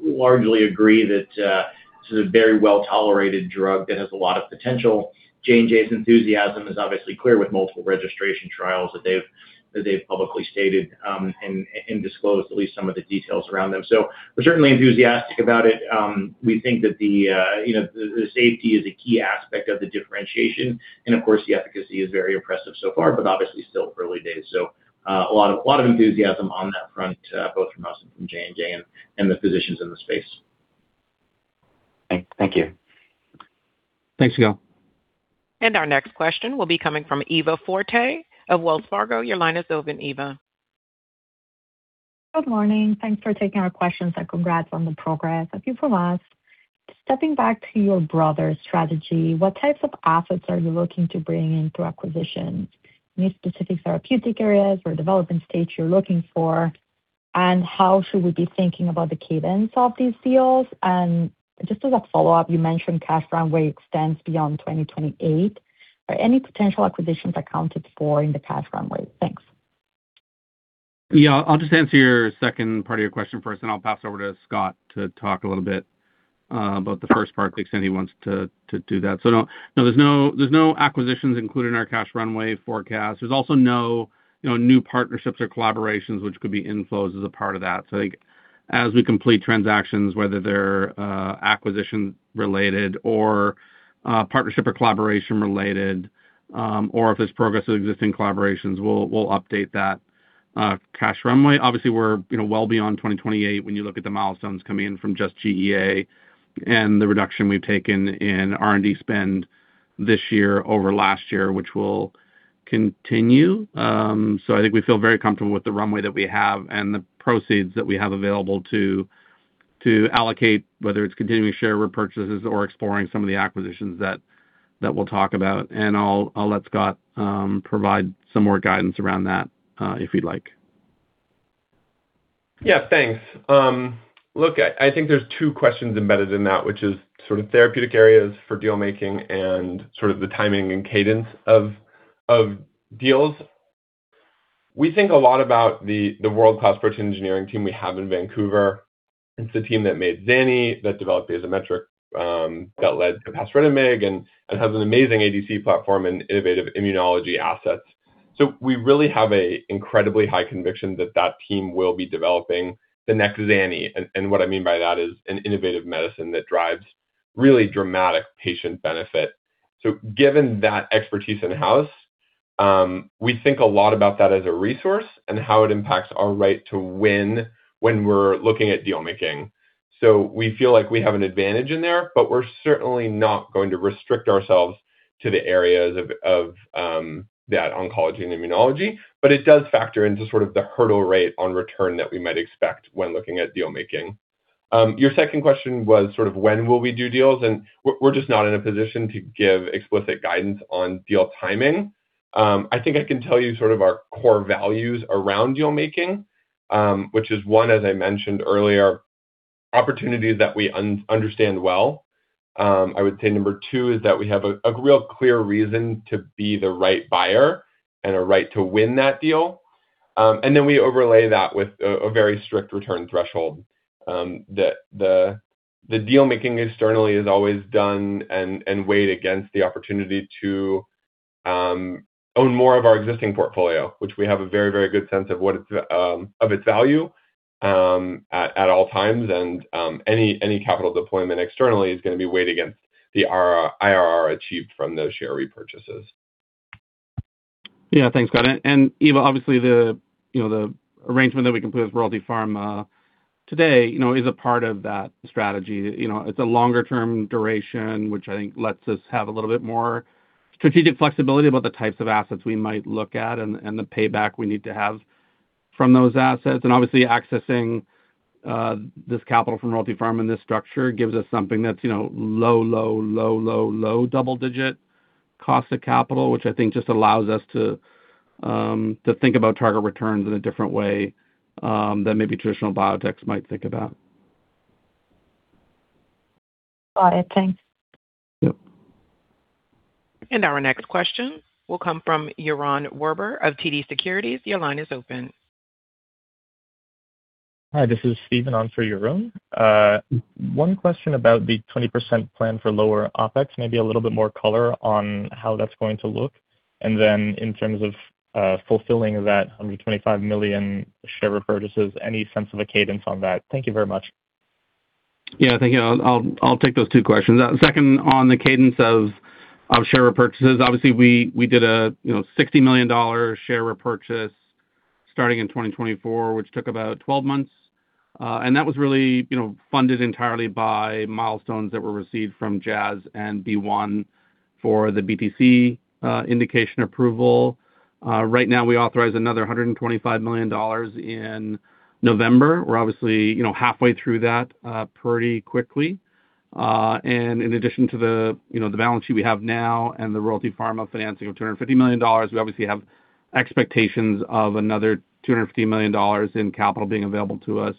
largely agree that this is a very well-tolerated drug that has a lot of potential. J&J's enthusiasm is obviously clear with multiple registration trials that they've publicly stated and disclosed at least some of the details around them. We're certainly enthusiastic about it. We think that, you know, the safety is a key aspect of the differentiation, and of course, the efficacy is very impressive so far, but obviously still early days. A lot of enthusiasm on that front, both from us and from J&J and the physicians in the space. Thank you. Thanks, Yigal. Our next question will be coming from Eva Forte of Wells Fargo. Your line is open, Eva. Good morning. Thanks for taking our questions, and congrats on the progress. A few from us. Stepping back to your brother's strategy, what types of assets are you looking to bring in through acquisitions? Any specific therapeutic areas or development stage you're looking for? How should we be thinking about the cadence of these deals? Just as a follow-up, you mentioned cash runway extends beyond 2028. Are any potential acquisitions accounted for in the cash runway? Thanks. Yeah. I'll just answer your second part of your question first, then I'll pass over to Scott to talk a little bit about the first part to the extent he wants to do that. No, there's no acquisitions included in our cash runway forecast. There's also no, you know, new partnerships or collaborations which could be inflows as a part of that. Like, as we complete transactions, whether they're acquisition-related or partnership or collaboration-related, or if there's progress of existing collaborations, we'll update that cash runway. Obviously, we're, you know, well beyond 2028 when you look at the milestones coming in from just GEA and the reduction we've taken in R&D spend this year over last year, which will continue. I think we feel very comfortable with the runway that we have and the proceeds that we have available to allocate, whether it's continuing share repurchases or exploring some of the acquisitions that we'll talk about. I'll let Scott provide some more guidance around that if he'd like. Yeah, thanks. Look, I think there's two questions embedded in that, which is sort of therapeutic areas for deal making and sort of the timing and cadence of deals. We think a lot about the world-class protein engineering team we have in Vancouver. It's the team that made Zanidatamab, that developed Azymetric, that led to pasritamig and has an amazing ADC platform and innovative immunology assets. We really have a incredibly high conviction that that team will be developing the next Zanidatamab. What I mean by that is an innovative medicine that drives really dramatic patient benefit. Given that expertise in-house, we think a lot about that as a resource and how it impacts our right to win when we're looking at deal making. We feel like we have an advantage in there, but we're certainly not going to restrict ourselves to the areas of that oncology and immunology. It does factor into sort of the hurdle rate on return that we might expect when looking at deal making. Your second question was sort of when will we do deals? We're just not in a position to give explicit guidance on deal timing. I think I can tell you sort of our core values around deal making, which is one, as I mentioned earlier, opportunities that we understand well. I would say number two is that we have a real clear reason to be the right buyer and a right to win that deal. We overlay that with a very strict return threshold. The deal making externally is always done and weighed against the opportunity to own more of our existing portfolio, which we have a very, very good sense of what it of its value at all times. Any capital deployment externally is gonna be weighed against the IRR achieved from those share repurchases. Thanks, Scott. Eva, obviously the, you know, the arrangement that we completed with Royalty Pharma today, you know, is a part of that strategy. You know, it's a longer-term duration, which I think lets us have a little bit more strategic flexibility about the types of assets we might look at and the payback we need to have from those assets. Obviously accessing this capital from Royalty Pharma in this structure gives us something that's, you know, low double-digit cost of capital, which I think just allows us to think about target returns in a different way than maybe traditional biotechs might think about. Got it. Thanks. Yep. Our next question will come from Yaron Werber of TD Securities. Your line is open. Hi, this is Stephen on for Yaron Werber. One question about the 20% plan for lower OpEx. Maybe a little bit more color on how that's going to look. In terms of fulfilling that $125 million share repurchases, any sense of a cadence on that? Thank you very much. Yeah, thank you. I'll take those two questions. Second, on the cadence of share repurchases. Obviously, we did a, you know, $60 million share repurchase starting in 2024, which took about 12 months. That was really, you know, funded entirely by milestones that were received from Jazz and Boehringer Ingelheim for the BTC indication approval. Right now we authorized another $125 million in November. We're obviously, you know, halfway through that pretty quickly. In addition to the, you know, the balance sheet we have now and the Royalty Pharma financing of $250 million, we obviously have expectations of another $250 million in capital being available to us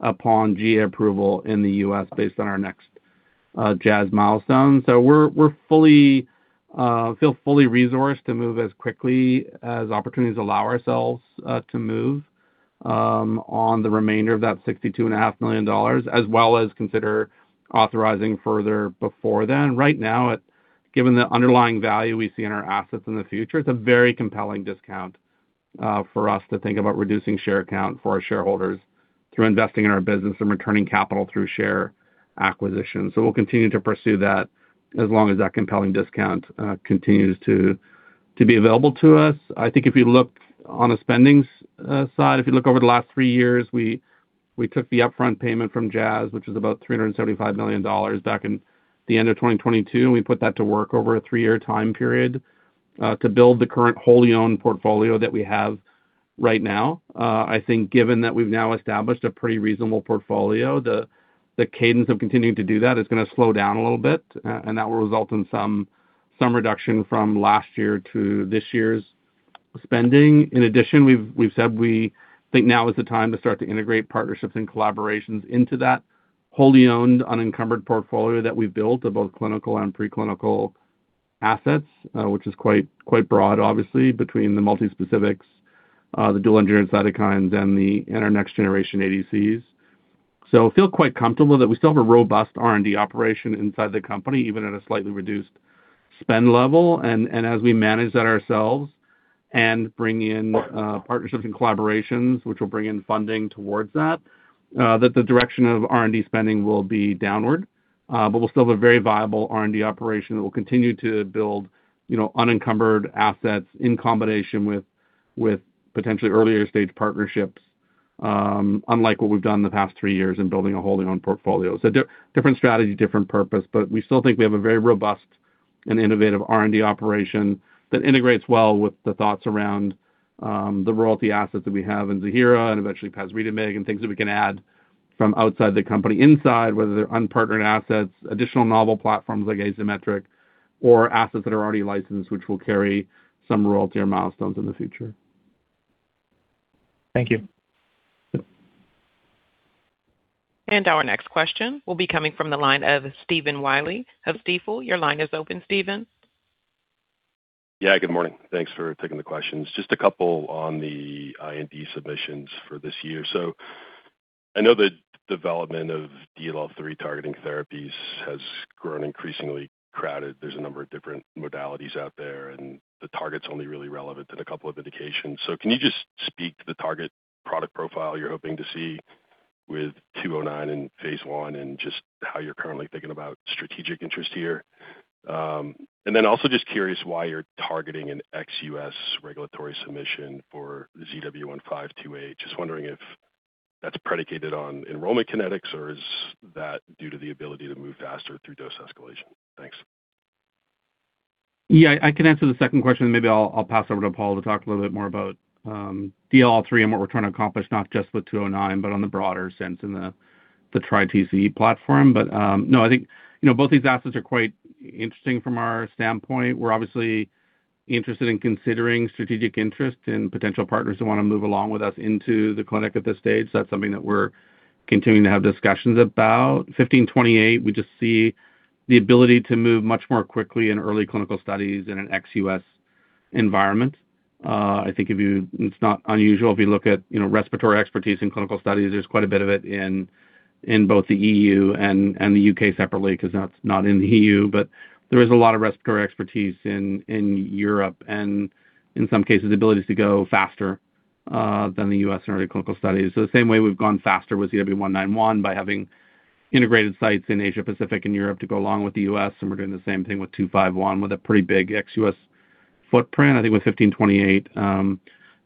upon GEA approval in the U.S. based on our next Jazz milestone. We feel fully resourced to move as quickly as opportunities allow ourselves to move on the remainder of that $62 and a half million, as well as consider authorizing further before then. Right now, given the underlying value we see in our assets in the future, it's a very compelling discount for us to think about reducing share count for our shareholders through investing in our business and returning capital through share acquisition. We'll continue to pursue that as long as that compelling discount continues to be available to us. I think if you look on the spendings side, if you look over the last 3 years, we took the upfront payment from Jazz, which is about $375 million back in the end of 2022, and we put that to work over a 3-year time period to build the current wholly owned portfolio that we have right now. I think given that we've now established a pretty reasonable portfolio, the cadence of continuing to do that is gonna slow down a little bit, and that will result in some reduction from last year to this year's spending. In addition, we've said we think now is the time to start to integrate partnerships and collaborations into that wholly owned, unencumbered portfolio that we've built of both clinical and pre-clinical assets, which is quite broad, obviously, between the multispecifics, the dual endurance cytokines and in our next generation ADCs. Feel quite comfortable that we still have a robust R&D operation inside the company, even at a slightly reduced spend level. As we manage that ourselves and bring in partnerships and collaborations which will bring in funding towards that the direction of R&D spending will be downward, we'll still have a very viable R&D operation that will continue to build, you know, unencumbered assets in combination with potentially earlier stage partnerships, unlike what we've done the past three years in building a wholly owned portfolio. Different strategy, different purpose, but we still think we have a very robust and innovative R&D operation that integrates well with the thoughts around the royalty assets that we have in Ziihera and eventually pasritamig and things that we can add from outside the company inside, whether they're unpartnered assets, additional novel platforms like Azymetric or assets that are already licensed, which will carry some royalty or milestones in the future. Thank you. Yep. Our next question will be coming from the line of Stephen Willey of Stifel. Your line is open, Stephen. Yeah, good morning. Thanks for taking the questions. Just a couple on the IND submissions for this year. I know the development of DLL3 targeting therapies has grown increasingly crowded. There's a number of different modalities out there, and the target's only really relevant in a couple of indications. Can you just speak to the target product profile you're hoping to see with ZW209 in phase 1 and just how you're currently thinking about strategic interest here? And then also just curious why you're targeting an ex-U.S. regulatory submission for ZW1528. Just wondering if that's predicated on enrollment kinetics or is that due to the ability to move faster through dose escalation? Thanks. I can answer the second question, maybe I'll pass over to Paul to talk a little bit more about DLL3 and what we're trying to accomplish, not just with ZW209, but on the broader sense in the TriTCE platform. I think, you know, both these assets are quite interesting from our standpoint. We're obviously interested in considering strategic interest in potential partners who want to move along with us into the clinic at this stage. That's something that we're continuing to have discussions about. ZW1528, we just see the ability to move much more quickly in early clinical studies in an ex-US environment. I think if you. It's not unusual, if you look at, you know, respiratory expertise in clinical studies, there's quite a bit of it in both the E.U. and the U.K. separately because that's not in the E.U., but there is a lot of respiratory expertise in Europe and in some cases, abilities to go faster than the U.S. in early clinical studies. The same way we've gone faster with ZW191 by having integrated sites in Asia Pacific and Europe to go along with the U.S., and we're doing the same thing with 251 with a pretty big ex-U.S. footprint. I think with 1528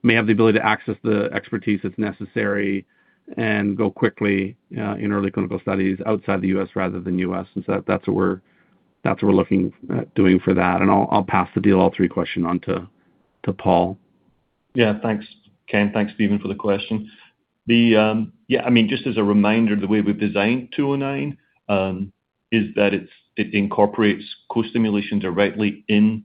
may have the ability to access the expertise that's necessary and go quickly in early clinical studies outside the U.S. rather than U.S. That's what we're looking at doing for that. I'll pass the DLL3 question on to Paul. Yeah. Thanks, Ken. Thanks, Stephen, for the question. Yeah, I mean, just as a reminder, the way we've designed 209 is that it incorporates co-stimulation directly in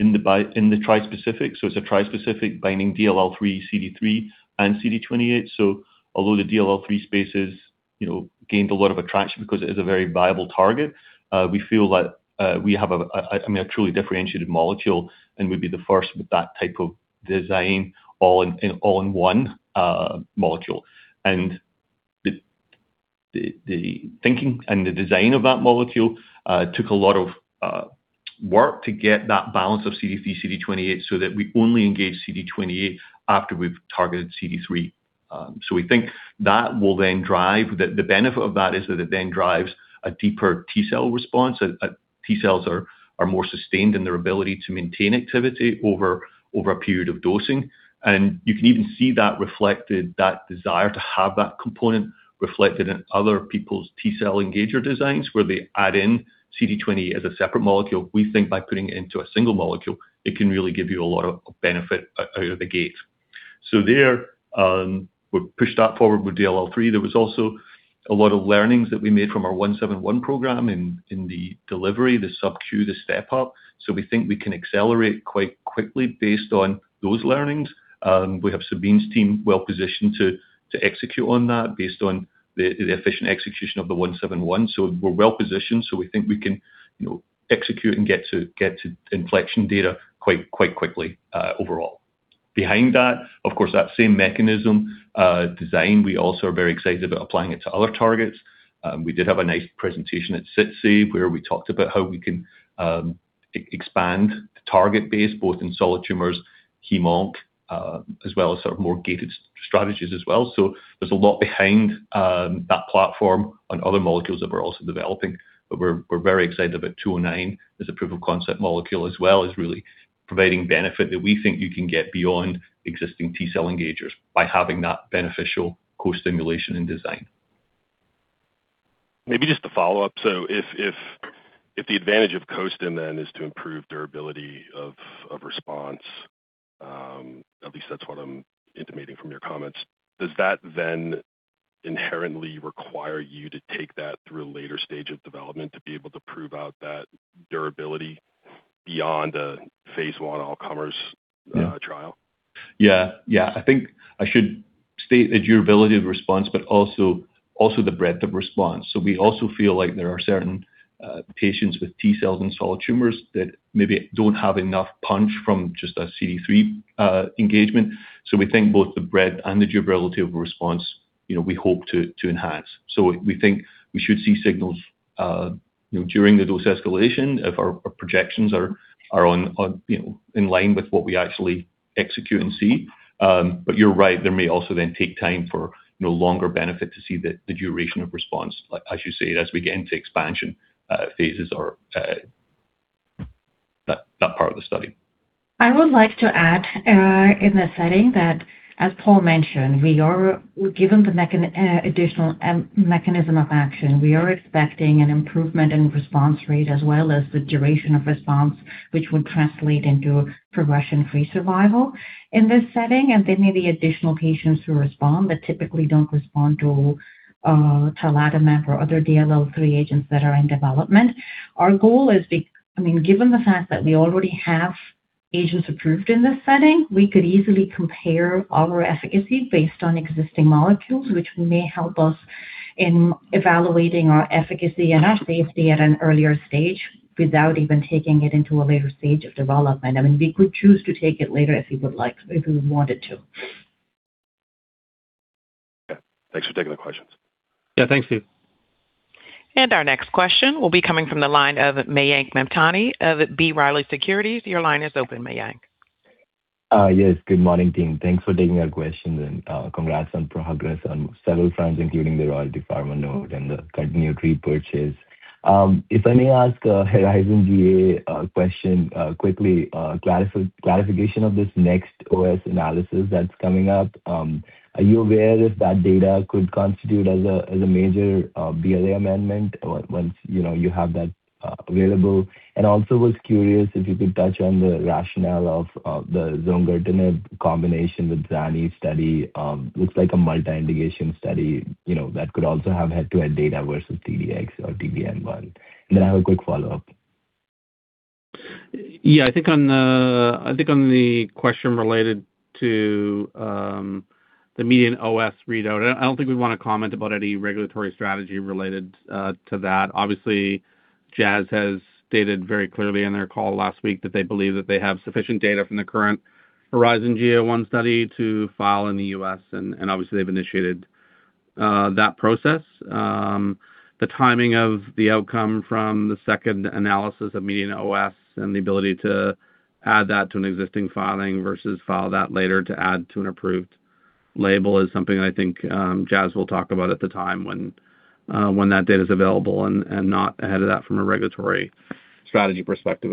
the trispecific. It's a trispecific binding DLL3, CD3, and CD28. Although the DLL3 space is, you know, gained a lot of attraction because it is a very viable target, we feel like, I mean, a truly differentiated molecule, and we'd be the first with that type of design all in one molecule. The thinking and the design of that molecule took a lot of work to get that balance of CD3, CD28, so that we only engage CD28 after we've targeted CD3. We think that will then drive. The benefit of that is that it then drives a deeper T-cell response. T-cells are more sustained in their ability to maintain activity over a period of dosing. You can even see that reflected, that desire to have that component reflected in other people's T-cell engager designs where they add in CD20 as a separate molecule. We think by putting it into a single molecule, it can really give you a lot of benefit out of the gate. There, we pushed that forward with DLL3. There was also a lot of learnings that we made from our ZW171 program in the delivery, the subcu, the step up. We think we can accelerate quite quickly based on those learnings. We have Sabeen's team well-positioned to execute on that based on the efficient execution of the ZW171. We're well-positioned. We think we can, you know, execute and get to inflection data quite quickly overall. Behind that, of course, that same mechanism design, we also are very excited about applying it to other targets. We did have a nice presentation at SITC where we talked about how we can expand the target base both in solid tumors, hemonc, as well as sort of more gated strategies as well. There's a lot behind that platform on other molecules that we're also developing. We're very excited about ZW209 as a proof of concept molecule as well is really providing benefit that we think you can get beyond existing T-cell engagers by having that beneficial co-stimulation in design. Maybe just a follow-up. If the advantage of coast then is to improve durability of response, at least that's what I'm intimating from your comments, does that then inherently require you to take that through a later stage of development to be able to prove out that durability beyond a phase one all comers trial? Yeah. Yeah. I think I should state the durability of response, also the breadth of response. We also feel like there are certain patients with T-cells and solid tumors that maybe don't have enough punch from just a CD3 engagement. We think both the breadth and the durability of a response, you know, we hope to enhance. We think we should see signals, you know, during the dose escalation if our projections are on, you know, in line with what we actually execute and see. You're right, there may also then take time for no longer benefit to see the duration of response, like as you say, as we get into expansion phases or that part of the study. I would like to add, in the setting that, as Paul mentioned, given the additional mechanism of action, we are expecting an improvement in response rate as well as the duration of response, which would translate into progression-free survival in this setting. There may be additional patients who respond but typically don't respond to tarlatamab or other DLL3 agents that are in development. I mean, given the fact that we already have agents approved in this setting, we could easily compare our efficacy based on existing molecules, which may help us in evaluating our efficacy and our safety at an earlier stage without even taking it into a later stage of development. I mean, we could choose to take it later if we would like, if we wanted to. Yeah. Thanks for taking the questions. Yeah. Thanks, Steve. Our next question will be coming from the line of Mayank Mamtani of B. Riley Securities. Your line is open, Mayank. Yes. Good morning, team. Thanks for taking our questions. Congrats on progress on several fronts, including the Royalty Pharma note and the cardene tree purchase. If I may ask a HERIZON-GEA-01 question quickly, clarification of this next OS analysis that's coming up. Are you aware if that data could constitute as a major BLA amendment or once, you know, you have that available? Also was curious if you could touch on the rationale of the zongertinib combination with Zanidatamab study. Looks like a multi-indication study, you know, that could also have head-to-head data versus T-DXd or T-DM1. Then I have a quick follow-up. Yeah. I think on the question related to the median OS readout, I don't think we wanna comment about any regulatory strategy related to that. Obviously, Jazz has stated very clearly in their call last week that they believe that they have sufficient data from the current HERIZON-GEA-01 study to file in the U.S., and obviously they've initiated that process. The timing of the outcome from the second analysis of median OS and the ability to add that to an existing filing versus file that later to add to an approved label is something I think Jazz will talk about at the time when that data is available and not ahead of that from a regulatory strategy perspective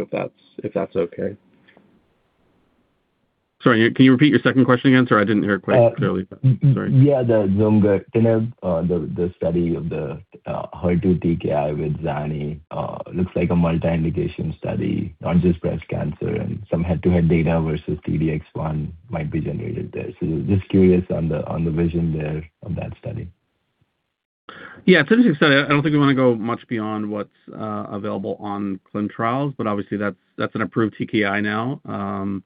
if that's okay. Sorry. Can you repeat your second question again? Sorry, I didn't hear it quite clearly. Sorry. Yeah. The Zonometinib, the study of the HER2 TKI with Zanidatamab, looks like a multi-indication study, not just breast cancer and some head-to-head data versus T-DXd one might be generated there. Just curious on the vision there of that study. Yeah, it's interesting. I don't think we want to go much beyond what's available on Clin Trials, but obviously that's an approved TKI now, and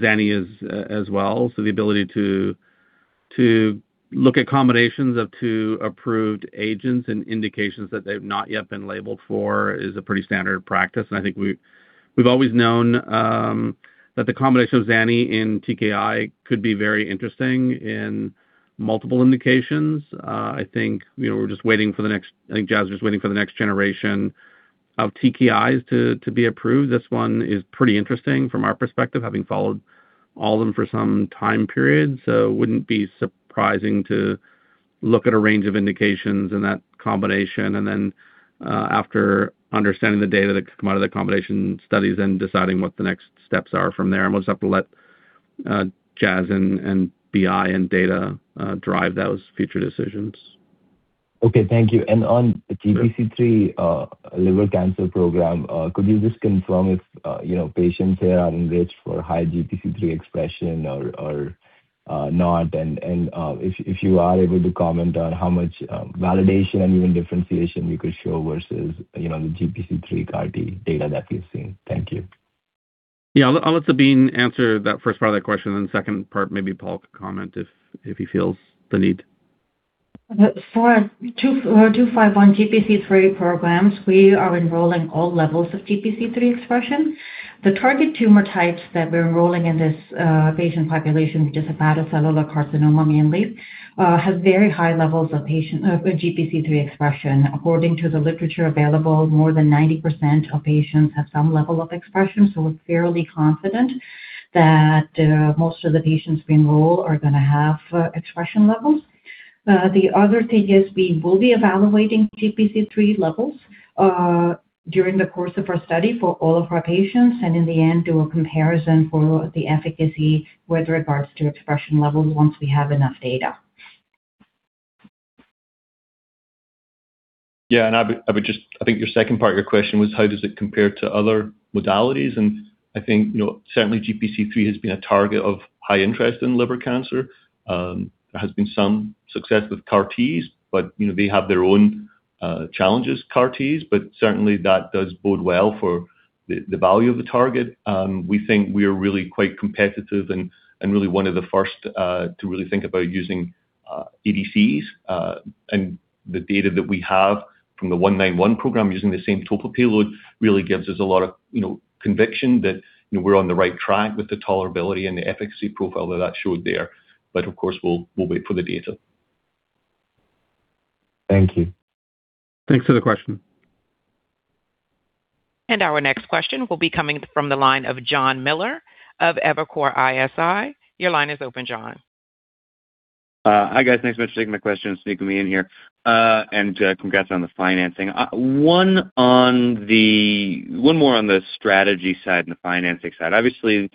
Zanidatamab is as well. The ability to look at combinations of two approved agents and indications that they've not yet been labeled for is a pretty standard practice. I think we've always known that the combination of Zanidatamab and TKI could be very interesting in multiple indications. I think, you know, Jazz just waiting for the next generation of TKIs to be approved. This one is pretty interesting from our perspective, having followed all of them for some time periods. It wouldn't be surprising to look at a range of indications in that combination. After understanding the data that could come out of the combination studies and deciding what the next steps are from there, we'll just have to let Jazz and BeiGene and data drive those future decisions. Okay, thank you. On the GPC3, liver cancer program, could you just confirm if, you know, patients here are enriched for high GPC3 expression or not? If you are able to comment on how much validation and even differentiation you could show versus, you know, the GPC3 CAR-T data that we've seen. Thank you. Yeah. I'll let Sabeen answer that first part of that question, and second part, maybe Paul could comment if he feels the need. ZW251 GPC3 programs, we are enrolling all levels of GPC3 expression. The target tumor types that we're enrolling in this patient population, which is hepatocellular carcinoma mainly, has very high levels of GPC3 expression. According to the literature available, more than 90% of patients have some level of expression. We're fairly confident that most of the patients we enroll are gonna have expression levels. The other thing is we will be evaluating GPC3 levels during the course of our study for all of our patients and in the end, do a comparison for the efficacy with regards to expression levels once we have enough data. Yeah. I think your second part of your question was how does it compare to other modalities? I think, you know, certainly GPC3 has been a target of high interest in liver cancer. There has been some success with CAR-Ts, but you know, they have their own challenges, CAR-Ts. Certainly that does bode well for the value of the target. We think we are really quite competitive and really one of the first to really think about using ADCs. The data that we have from the 191 program using the same topo payload really gives us a lot of, you know, conviction that, you know, we're on the right track with the tolerability and the efficacy profile that showed there. Of course, we'll wait for the data. Thank you. Thanks for the question. Our next question will be coming from the line of Jon Miller of Evercore ISI. Your line is open, Jon. Hi, guys. Thanks much for taking my question, sneaking me in here. Congrats on the financing. One more on the strategy side and the financing side. Obviously,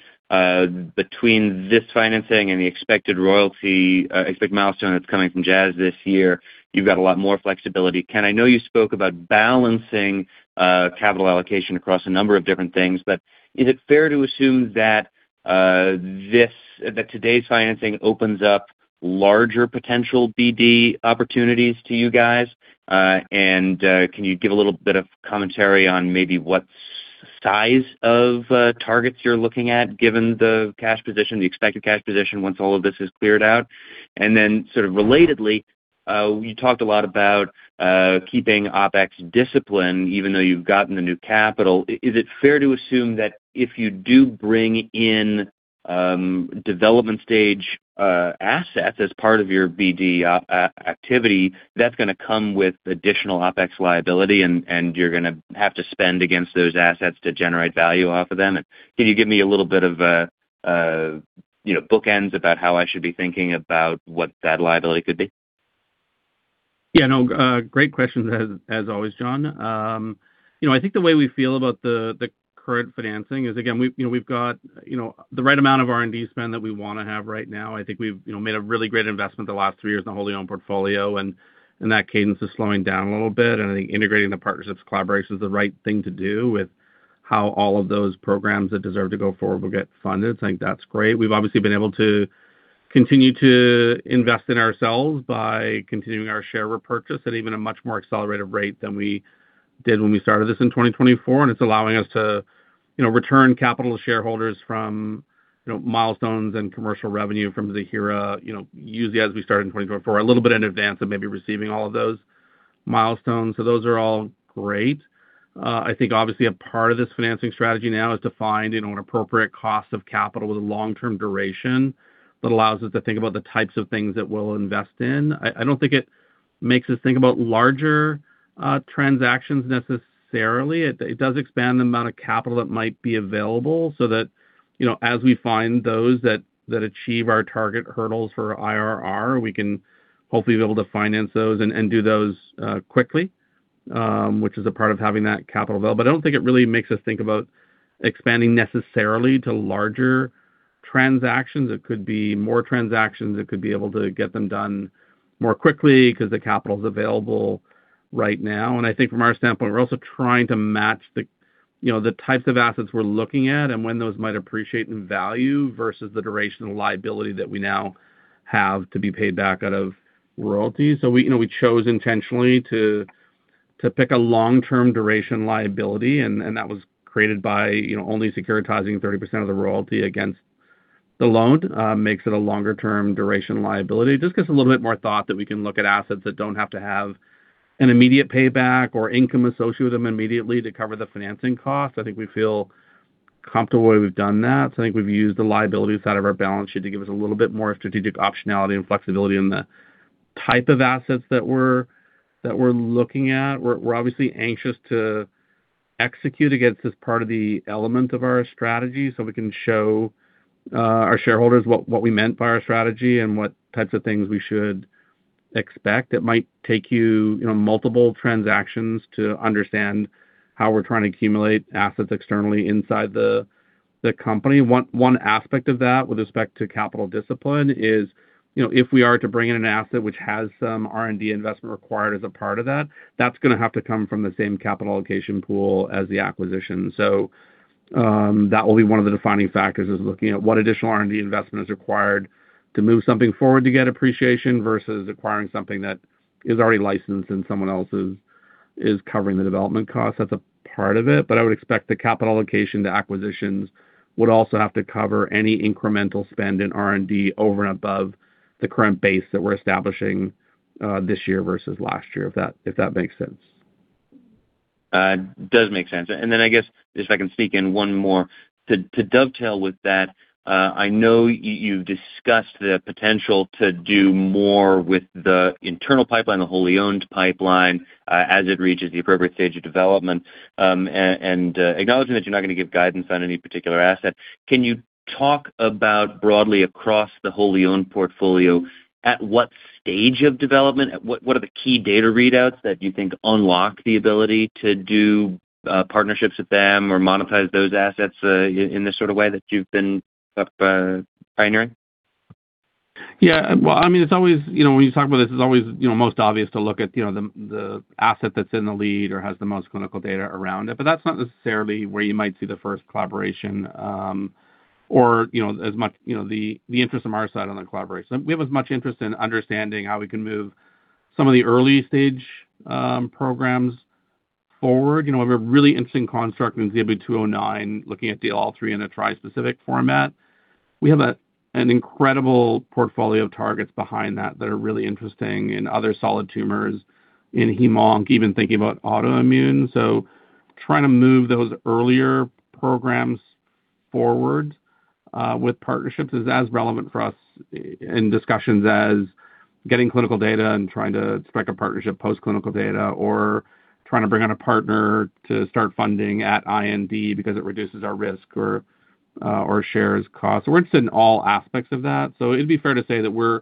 between this financing and the expected royalty, expect milestone that's coming from Jazz this year, you've got a lot more flexibility. Ken, I know you spoke about balancing, capital allocation across a number of different things, but is it fair to assume that today's financing opens up larger potential BD opportunities to you guys? Can you give a little bit of commentary on maybe what size of targets you're looking at given the cash position, the expected cash position once all of this is cleared out? Then sort of relatedly, you talked a lot about keeping OpEx discipline even though you've gotten the new capital. Is it fair to assume that if you do bring in development stage assets as part of your BD activity, that's gonna come with additional OpEx liability and you're gonna have to spend against those assets to generate value off of them? Can you give me a little bit of a, you know, bookends about how I should be thinking about what that liability could be? Yeah. No, great questions as always, Jon. You know, I think the way we feel about the current financing is again, we've, you know, we've got, you know, the right amount of R&D spend that we wanna have right now. I think we've, you know, made a really great investment the last three years in the wholly owned portfolio, and, that cadence is slowing down a little bit. I think integrating the partnerships, collaborations is the right thing to do with how all of those programs that deserve to go forward will get funded. I think that's great. We've obviously been able to continue to invest in ourselves by continuing our share repurchase at even a much more accelerated rate than we did when we started this in 2024. It's allowing us to, you know, return capital to shareholders from, you know, milestones and commercial revenue from Ziihera, you know, usually as we start in 2024, a little bit in advance of maybe receiving all of those milestones. Those are all great. I think obviously a part of this financing strategy now is to find, you know, an appropriate cost of capital with a long-term duration that allows us to think about the types of things that we'll invest in. I don't think it makes us think about larger transactions necessarily. It does expand the amount of capital that might be available that, you know, as we find those that achieve our target hurdles for IRR, we can hopefully be able to finance those and do those quickly, which is a part of having that capital available. I don't think it really makes us think about expanding necessarily to larger transactions. It could be more transactions. It could be able to get them done more quickly because the capital is available right now. I think from our standpoint, we're also trying to match the, you know, the types of assets we're looking at and when those might appreciate in value versus the duration of liability that we now have to be paid back out of royalties. We, you know, we chose intentionally to pick a long-term duration liability, and that was created by, you know, only securitizing 30% of the royalty against the loan, makes it a longer term duration liability. Just gives a little bit more thought that we can look at assets that don't have to have an immediate payback or income associated with them immediately to cover the financing cost. I think we feel comfortable the way we've done that. I think we've used the liability side of our balance sheet to give us a little bit more strategic optionality and flexibility in the type of assets that we're looking at. We're obviously anxious to execute against this part of the element of our strategy so we can show our shareholders what we meant by our strategy and what types of things we should expect. It might take you know, multiple transactions to understand how we're trying to accumulate assets externally inside the company. One aspect of that with respect to capital discipline is, you know, if we are to bring in an asset which has some R&D investment required as a part of that's gonna have to come from the same capital allocation pool as the acquisition. That will be one of the defining factors is looking at what additional R&D investment is required to move something forward to get appreciation versus acquiring something that is already licensed and someone else is covering the development costs. That's a part of it. I would expect the capital allocation to acquisitions would also have to cover any incremental spend in R&D over and above the current base that we're establishing this year versus last year, if that makes sense. It does make sense. I guess if I can sneak in one more. To dovetail with that, I know you've discussed the potential to do more with the internal pipeline, the wholly owned pipeline, as it reaches the appropriate stage of development. And acknowledging that you're not gonna give guidance on any particular asset, can you talk about broadly across the wholly owned portfolio, at what stage of development, at what are the key data readouts that you think unlock the ability to do partnerships with them or monetize those assets in this sort of way that you've been pioneering? Yeah. Well, I mean, it's always, you know, when you talk about this, it's always, you know, most obvious to look at, you know, the asset that's in the lead or has the most clinical data around it. That's not necessarily where you might see the first collaboration, or, you know, as much, you know, the interest from our side on the collaboration. We have as much interest in understanding how we can move some of the early-stage programs forward. You know, we have a really interesting construct in ZW209 looking at DLL3 in a trispecific format. We have an incredible portfolio of targets behind that that are really interesting in other solid tumors in hemonc, even thinking about autoimmune. Trying to move those earlier programs forward, with partnerships is as relevant for us in discussions as getting clinical data and trying to strike a partnership post clinical data or trying to bring on a partner to start funding at IND because it reduces our risk or shares cost. We're interested in all aspects of that. It'd be fair to say that we're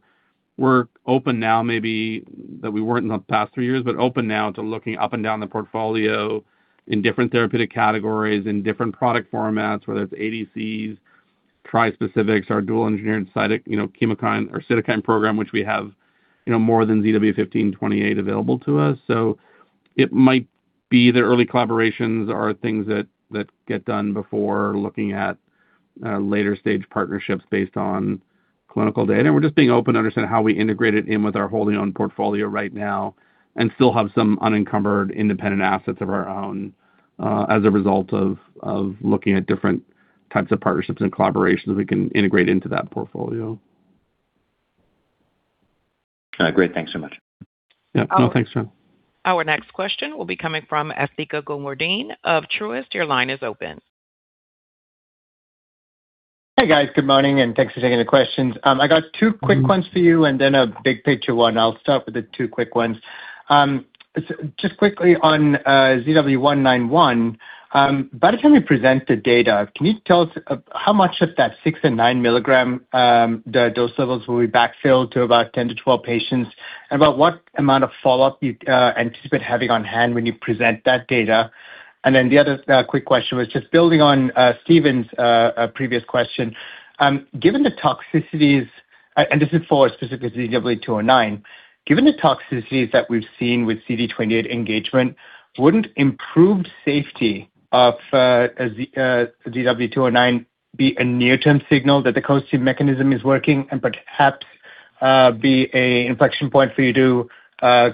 open now maybe that we weren't in the past 3 years, but open now to looking up and down the portfolio in different therapeutic categories, in different product formats, whether it's ADCs, trispecifics, our dual engineering side, you know, chemokine or cytokine program, which we have, you know, more than ZW1528 available to us. It might be the early collaborations are things that get done before looking at later stage partnerships based on clinical data. We're just being open to understand how we integrate it in with our wholly owned portfolio right now and still have some unencumbered independent assets of our own, as a result of looking at different types of partnerships and collaborations we can integrate into that portfolio. Great. Thanks so much. Yeah. No, thanks, Jon. Our next question will be coming from Asthika Goonewardene of Truist. Your line is open. Hey, guys. Good morning, and thanks for taking the questions. I got 2 quick ones for you and then a big picture one. I'll start with the two quick ones. Just quickly on ZW191, by the time you present the data, can you tell us how much of that 6mg and 9mg the dose levels will be backfilled to about 10-12 patients? About what amount of follow-up you'd anticipate having on hand when you present that data. The other quick question was just building on Stephen's previous question. Given the toxicities. This is for specifically ZW209. Given the toxicities that we've seen with CD28 engagement, wouldn't improved safety of ZW209 be a near-term signal that the costim mechanism is working and perhaps be a inflection point for you to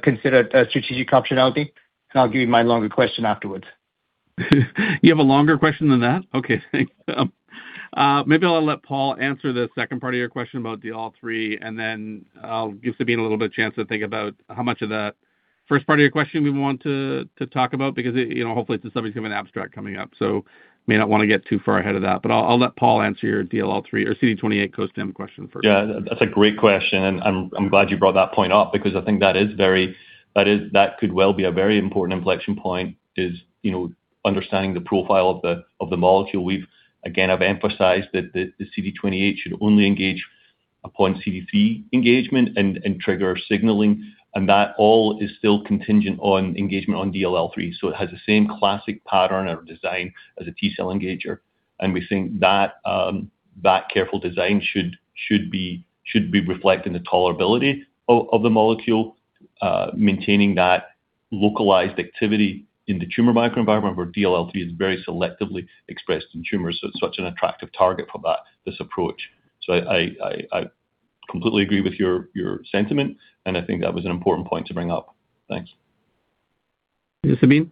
consider a strategic optionality? I'll give you my longer question afterwards. You have a longer question than that? Okay, thanks. maybe I'll let Paul answer the second part of your question about DLL3, and then I'll give Sabeen a little bit of chance to think about how much of that first part of your question we want to talk about because, you know, hopefully it's a subject of an abstract coming up, so may not wanna get too far ahead of that. I'll let Paul answer your DLL3 or CD28 costim question first. Yeah, that's a great question, I'm glad you brought that point up because I think that is very that could well be a very important inflection point is, you know, understanding the profile of the molecule. We've again, I've emphasized that the CD28 should only engage upon CDC engagement and trigger signaling, and that all is still contingent on engagement on DLL3. It has the same classic pattern or design as a T-cell engager. We think that careful design should be reflected in the tolerability of the molecule. maintaining that localized activity in the tumor microenvironment where DLL3 is very selectively expressed in tumors is such an attractive target for that, this approach. I completely agree with your sentiment, and I think that was an important point to bring up. Thanks. Sabeen?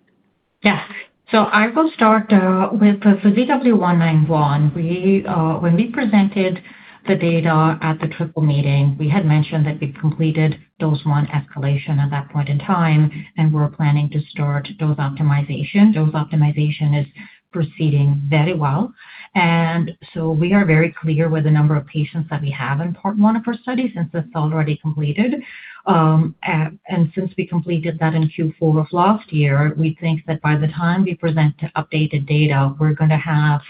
Yes. I will start with, for ZW191, we when we presented the data at the triple meeting, we had mentioned that we completed dose 1 escalation at that point in time, and we're planning to start dose optimization. Dose optimization is proceeding very well. We are very clear with the number of patients that we have in part 1 of our study since that's already completed. Since we completed that in Q4 of last year, we think that by the time we present the updated data, we're gonna have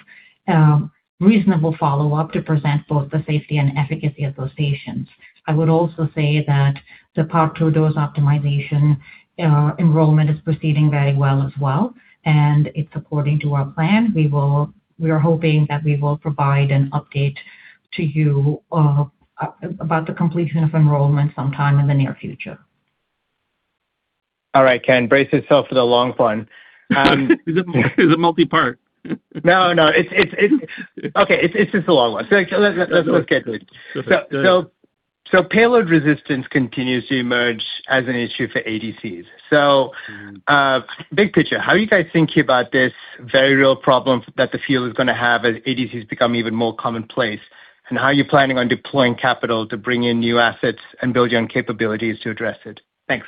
reasonable follow-up to present both the safety and efficacy of those patients. I would also say that the part 2 dose optimization enrollment is proceeding very well as well, and it's according to our plan. We are hoping that we will provide an update to you about the completion of enrollment sometime in the near future. All right, Ken. Brace yourself for the long one. Is it multi-part? No, no. It's Okay, it's just a long one. Let's get to it. Go for it. Payload resistance continues to emerge as an issue for ADCs. Big picture, how are you guys thinking about this very real problem that the field is gonna have as ADCs become even more commonplace? How are you planning on deploying capital to bring in new assets and build your own capabilities to address it? Thanks.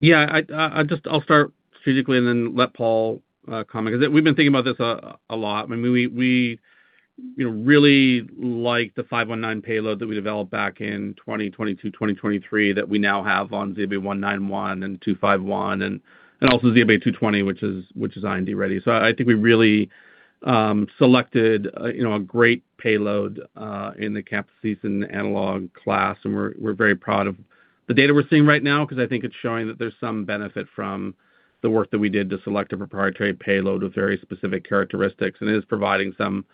Yeah. I'll start physically and then let Paul comment, cause we've been thinking about this a lot. I mean, we, you know, really like the 519 payload that we developed back in 2022, 2023 that we now have on ZW191 and ZW251 and also ZW220, which is IND ready. I think we really selected, you know, a great payload in the camptothecin analog class, and we're very proud of the data we're seeing right now cause I think it's showing that there's some benefit from the work that we did to select a proprietary payload with very specific characteristics. It is providing some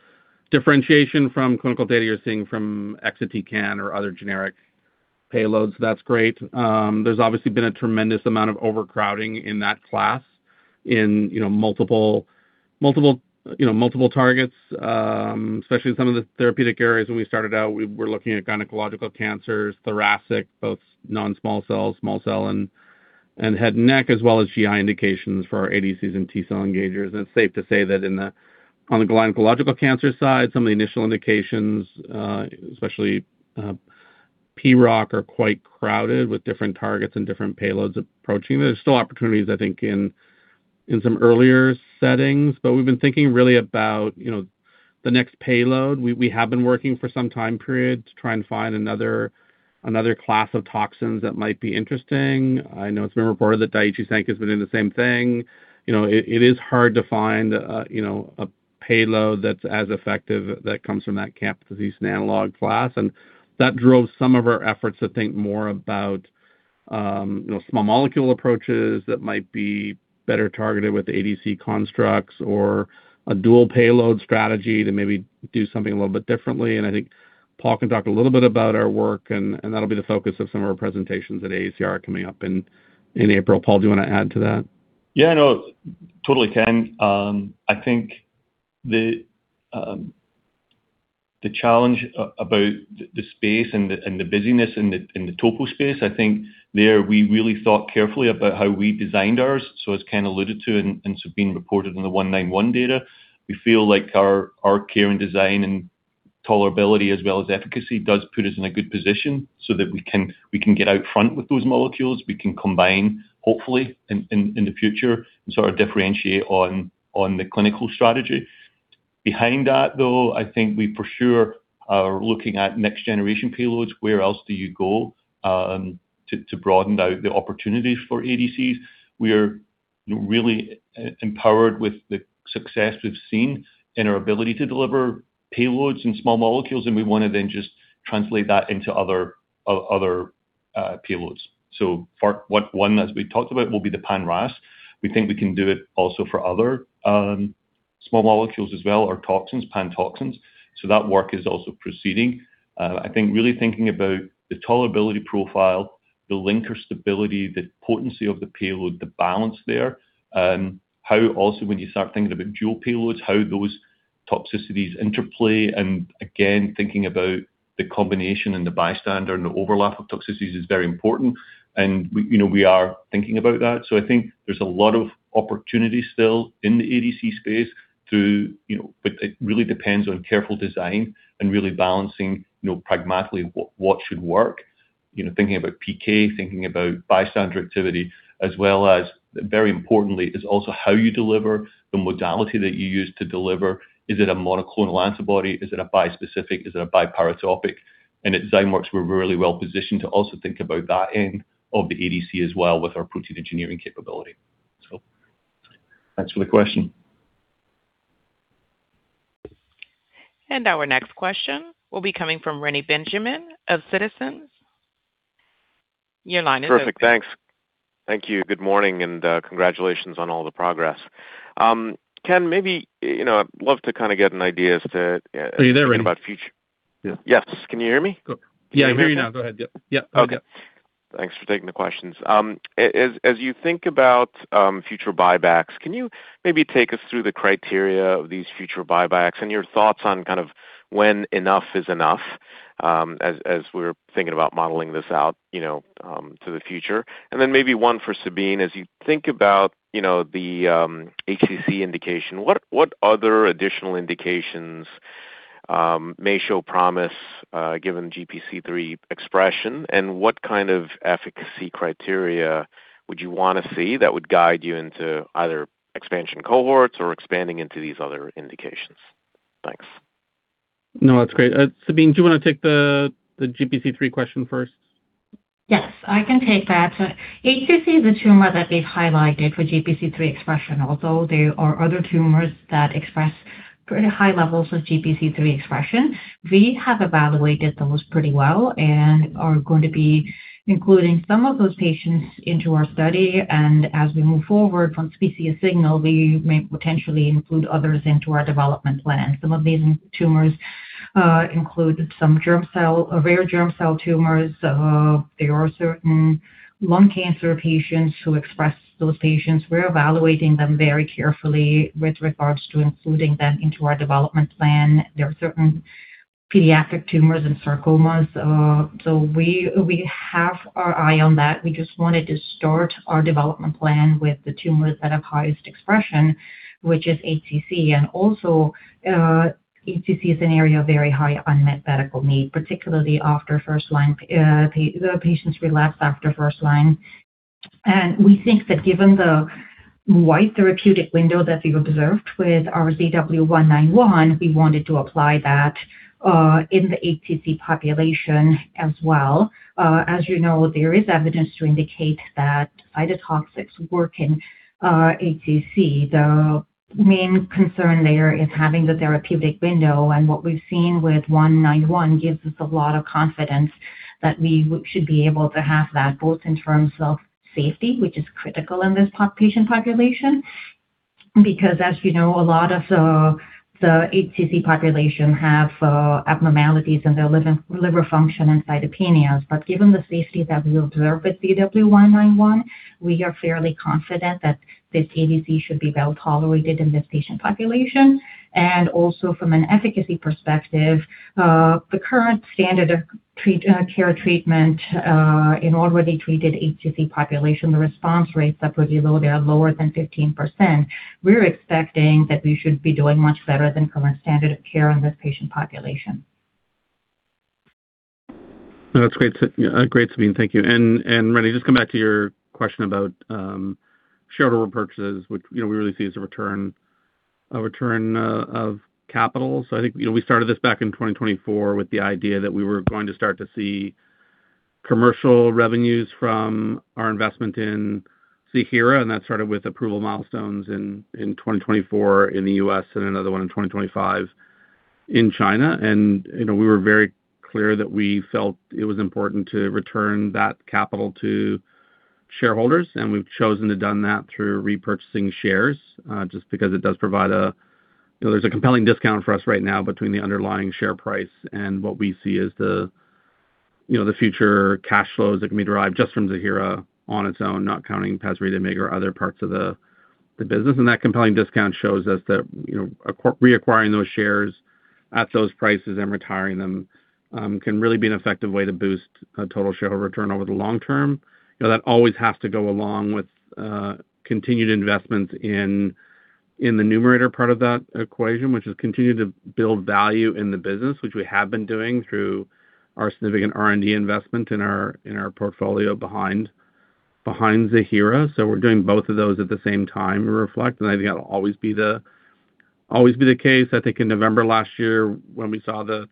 differentiation from clinical data you're seeing from exatecan or other generic payloads. That's great. There's obviously been a tremendous amount of overcrowding in that class in, you know, multiple, you know, multiple targets, especially some of the therapeutic areas when we started out. We were looking at gynecological cancers, thoracic, both non-small cell, small cell and head and neck, as well as GI indications for our ADCs and T-cell engagers. It's safe to say that on the gynecological cancer side, some of the initial indications, especially P-ROC, are quite crowded with different targets and different payloads approaching. There's still opportunities, I think, in some earlier settings, but we've been thinking really about, you know, the next payload. We have been working for some time period to try and find another class of toxins that might be interesting. I know it's been reported that Daiichi Sankyo's been doing the same thing. You know, it is hard to find, you know, a payload that's as effective that comes from that camptothecin analog class. That drove some of our efforts to think more about, you know, small molecule approaches that might be better targeted with ADC constructs or a dual payload strategy to maybe do something a little bit differently. I think Paul can talk a little bit about our work, and that'll be the focus of some of our presentations at AACR coming up in April. Paul, do you wanna add to that? No, totally, Ken. I think the challenge about the space and the busyness in the topo space, I think there we really thought carefully about how we designed ours. As Ken alluded to, and Sabeen reported in the ZW191 data, we feel like our care and design and tolerability as well as efficacy does put us in a good position so that we can get out front with those molecules. We can combine, hopefully in the future and sort of differentiate on the clinical strategy. Behind that, though, I think we for sure are looking at next generation payloads. Where else do you go to broaden out the opportunity for ADCs? We're really empowered with the success we've seen in our ability to deliver payloads in small molecules, and we wanna then just translate that into other payloads. For one, as we talked about, will be the pan-RAS. We think we can do it also for other, small molecules as well, or toxins, pan toxins. That work is also proceeding. I think really thinking about the tolerability profile, the linker stability, the potency of the payload, the balance there, how also when you start thinking about dual payloads, how those toxicities interplay, and again, thinking about the combination and the bystander and the overlap of toxicities is very important. We, you know, we are thinking about that. I think there's a lot of opportunity still in the ADC space to, you know. It really depends on careful design and really balancing, you know, pragmatically what should work, you know, thinking about PK, thinking about bystander activity, as well as, very importantly, is also how you deliver the modality that you use to deliver. Is it a monoclonal antibody? Is it a bispecific? Is it a biparatopic? At Zymeworks, we're really well positioned to also think about that end of the ADC as well with our protein engineering capability. Thanks for the question. Our next question will be coming from Reni Benjamin of Citizens. Your line is open. Perfect. Thanks. Thank you. Good morning and congratulations on all the progress. Ken, maybe, you know, I'd love to kinda get an idea. Are you there, Reni? about future. Yeah. Yes. Can you hear me? Cool. Yeah, I hear you now. Go ahead. Yep. Yeah. Okay. Thanks for taking the questions. As you think about future buybacks, can you maybe take us through the criteria of these future buybacks and your thoughts on kind of when enough is enough, as we're thinking about modeling this out, you know, to the future? Maybe one for Sabeen. As you think about, you know, the HCC indication, what other additional indications may show promise, given GPC3 expression, and what kind of efficacy criteria would you wanna see that would guide you into either expansion cohorts or expanding into these other indications? Thanks. No, that's great. Sabeen, do you wanna take the GPC3 question first? Yes, I can take that. HCC is a tumor that we've highlighted for GPC3 expression, although there are other tumors that express pretty high levels of GPC3 expression. We have evaluated those pretty well and are going to be including some of those patients into our study. As we move forward from species signal, we may potentially include others into our development plan. Some of these tumors, include some germ cell. rare germ cell tumors. There are certain lung cancer patients who express those patients. We're evaluating them very carefully with regards to including them into our development plan. There are certain pediatric tumors and sarcomas. We have our eye on that. We just wanted to start our development plan with the tumors that have highest expression, which is HCC. Also, HCC is an area of very high unmet medical need, particularly after first-line, patients relapse after first line. We think that given the wide therapeutic window that we've observed with our ZW191, we wanted to apply that in the HCC population as well. As you know, there is evidence to indicate that cytotoxics work in HCC. The main concern there is having the therapeutic window, and what we've seen with one nine one gives us a lot of confidence that we should be able to have that both in terms of safety, which is critical in this patient population. Because as you know, a lot of the HCC population have abnormalities in their liver function and cytopenias. Given the safety that we observe with ZW191, we are fairly confident that this ADC should be well-tolerated in this patient population. Also from an efficacy perspective, the current standard of care treatment in already treated HCC population, the response rates are pretty low. They are lower than 15%. We're expecting that we should be doing much better than current standard of care in this patient population. No, that's great, Sabeen. Thank you. Reni, just come back to your question about shareholder repurchases, which, you know, we really see as a return of capital. I think, you know, we started this back in 2024 with the idea that we were going to start to see commercial revenues from our investment in Ziihera, and that started with approval milestones in 2024 in the U.S. and another one in 2025 in China. You know, we were very clear that we felt it was important to return that capital to shareholders, and we've chosen to done that through repurchasing shares, just because it does provide a. You know, there's a compelling discount for us right now between the underlying share price and what we see as the, you know, the future cash flows that can be derived just from Ziihera on its own, not counting pasritamig or other parts of the business. That compelling discount shows us that, you know, reacquiring those shares at those prices and retiring them can really be an effective way to boost total shareholder return over the long term. You know, that always has to go along with continued investments in the numerator part of that equation, which is continue to build value in the business, which we have been doing through our significant R&D investment in our portfolio behind Ziihera. We're doing both of those at the same time, reflect. I think that'll always be the case. I think in November last year when we saw the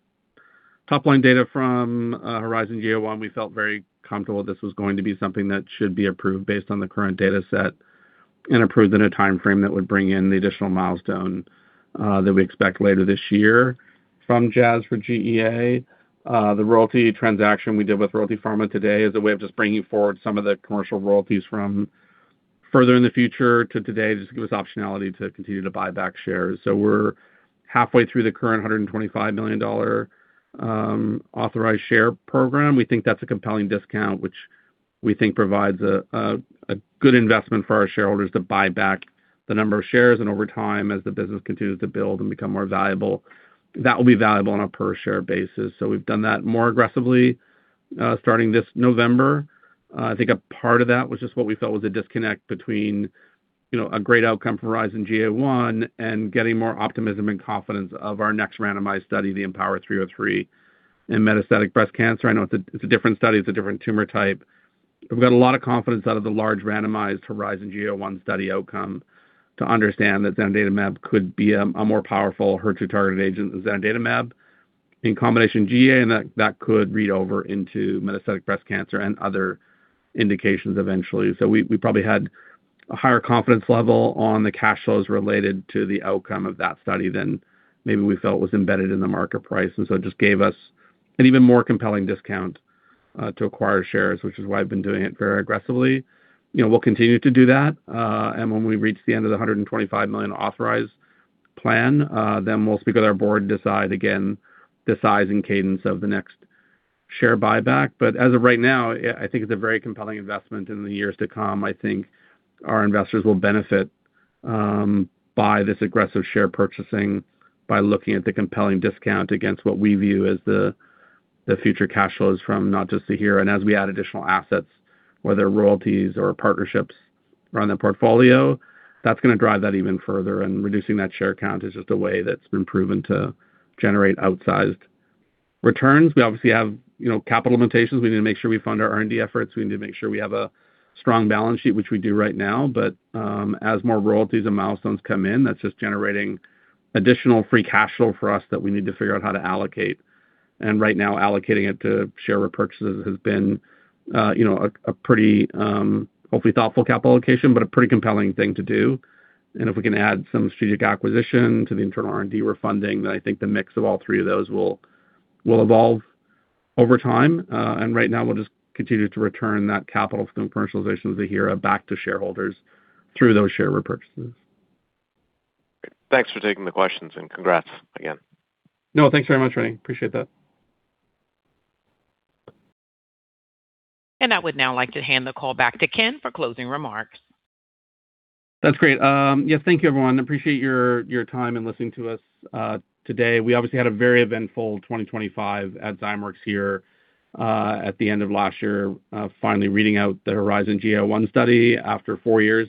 top-line data from HERIZON-GEA-01, we felt very comfortable this was going to be something that should be approved based on the current dataset and approved in a timeframe that would bring in the additional milestone that we expect later this year from Jazz for GEA. The royalty transaction we did with Royalty Pharma today is a way of just bringing forward some of the commercial royalties from further in the future to today, just to give us optionality to continue to buy back shares. We're halfway through the current $125 million authorized share program. We think that's a compelling discount, which we think provides a good investment for our shareholders to buy back the number of shares. Over time, as the business continues to build and become more valuable, that will be valuable on a per share basis. We've done that more aggressively, starting this November. I think a part of that was just what we felt was a disconnect between, you know, a great outcome for HERIZON-GEA-01 and getting more optimism and confidence of our next randomized study, the IMpower030 in metastatic breast cancer. I know it's a different study, it's a different tumor type. We've got a lot of confidence out of the large randomized HERIZON-GEA-01 study outcome to understand that Zanidatamab could be a more powerful HER2-targeted agent than Zanidatamab in combination GEA, that could read over into metastatic breast cancer and other indications eventually. We probably had a higher confidence level on the cash flows related to the outcome of that study than maybe we felt was embedded in the market price. It just gave us an even more compelling discount to acquire shares, which is why I've been doing it very aggressively. You know, we'll continue to do that. When we reach the end of the $125 million authorized plan, then we'll speak with our board and decide again the size and cadence of the next share buyback. As of right now, I think it's a very compelling investment in the years to come. I think our investors will benefit by this aggressive share purchasing by looking at the compelling discount against what we view as the future cash flows from not just the hero. As we add additional assets, whether royalties or partnerships around the portfolio, that's gonna drive that even further. Reducing that share count is just a way that's been proven to generate outsized returns. We obviously have, you know, capital limitations. We need to make sure we fund our R&D efforts. We need to make sure we have a strong balance sheet, which we do right now. As more royalties and milestones come in, that's just generating additional free cash flow for us that we need to figure out how to allocate. Right now, allocating it to share repurchases has been, you know, a pretty, hopefully thoughtful capital allocation, but a pretty compelling thing to do. If we can add some strategic acquisition to the internal R&D refunding, then I think the mix of all three of those will evolve over time. Right now we'll just continue to return that capital from commercialization of Ziihera back to shareholders through those share repurchases. Thanks for taking the questions. Congrats again. No, thanks very much, Reni. Appreciate that. I would now like to hand the call back to Ken for closing remarks. That's great. Yeah, thank you everyone. Appreciate your time in listening to us today. We obviously had a very eventful 2025 at Zymeworks here at the end of last year of finally reading out the HERIZON-GEA-01 study after four years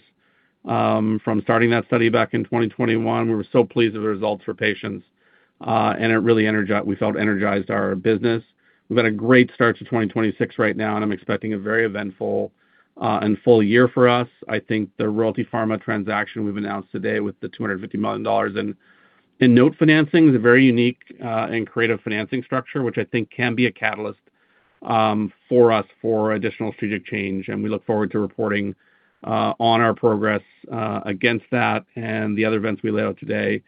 from starting that study back in 2021. We were so pleased with the results for patients, we felt energized our business. We've got a great start to 2026 right now, I'm expecting a very eventful and full year for us. I think the Royalty Pharma transaction we've announced today with the $250 million in note financing is a very unique and creative financing structure, which I think can be a catalyst for us for additional strategic change. We look forward to reporting on our progress against that and the other events we laid out today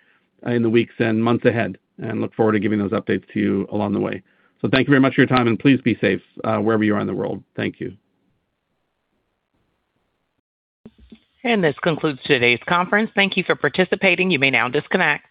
in the weeks and months ahead. Look forward to giving those updates to you along the way. Thank you very much for your time, and please be safe wherever you are in the world. Thank you. This concludes today's conference. Thank you for participating. You may now disconnect.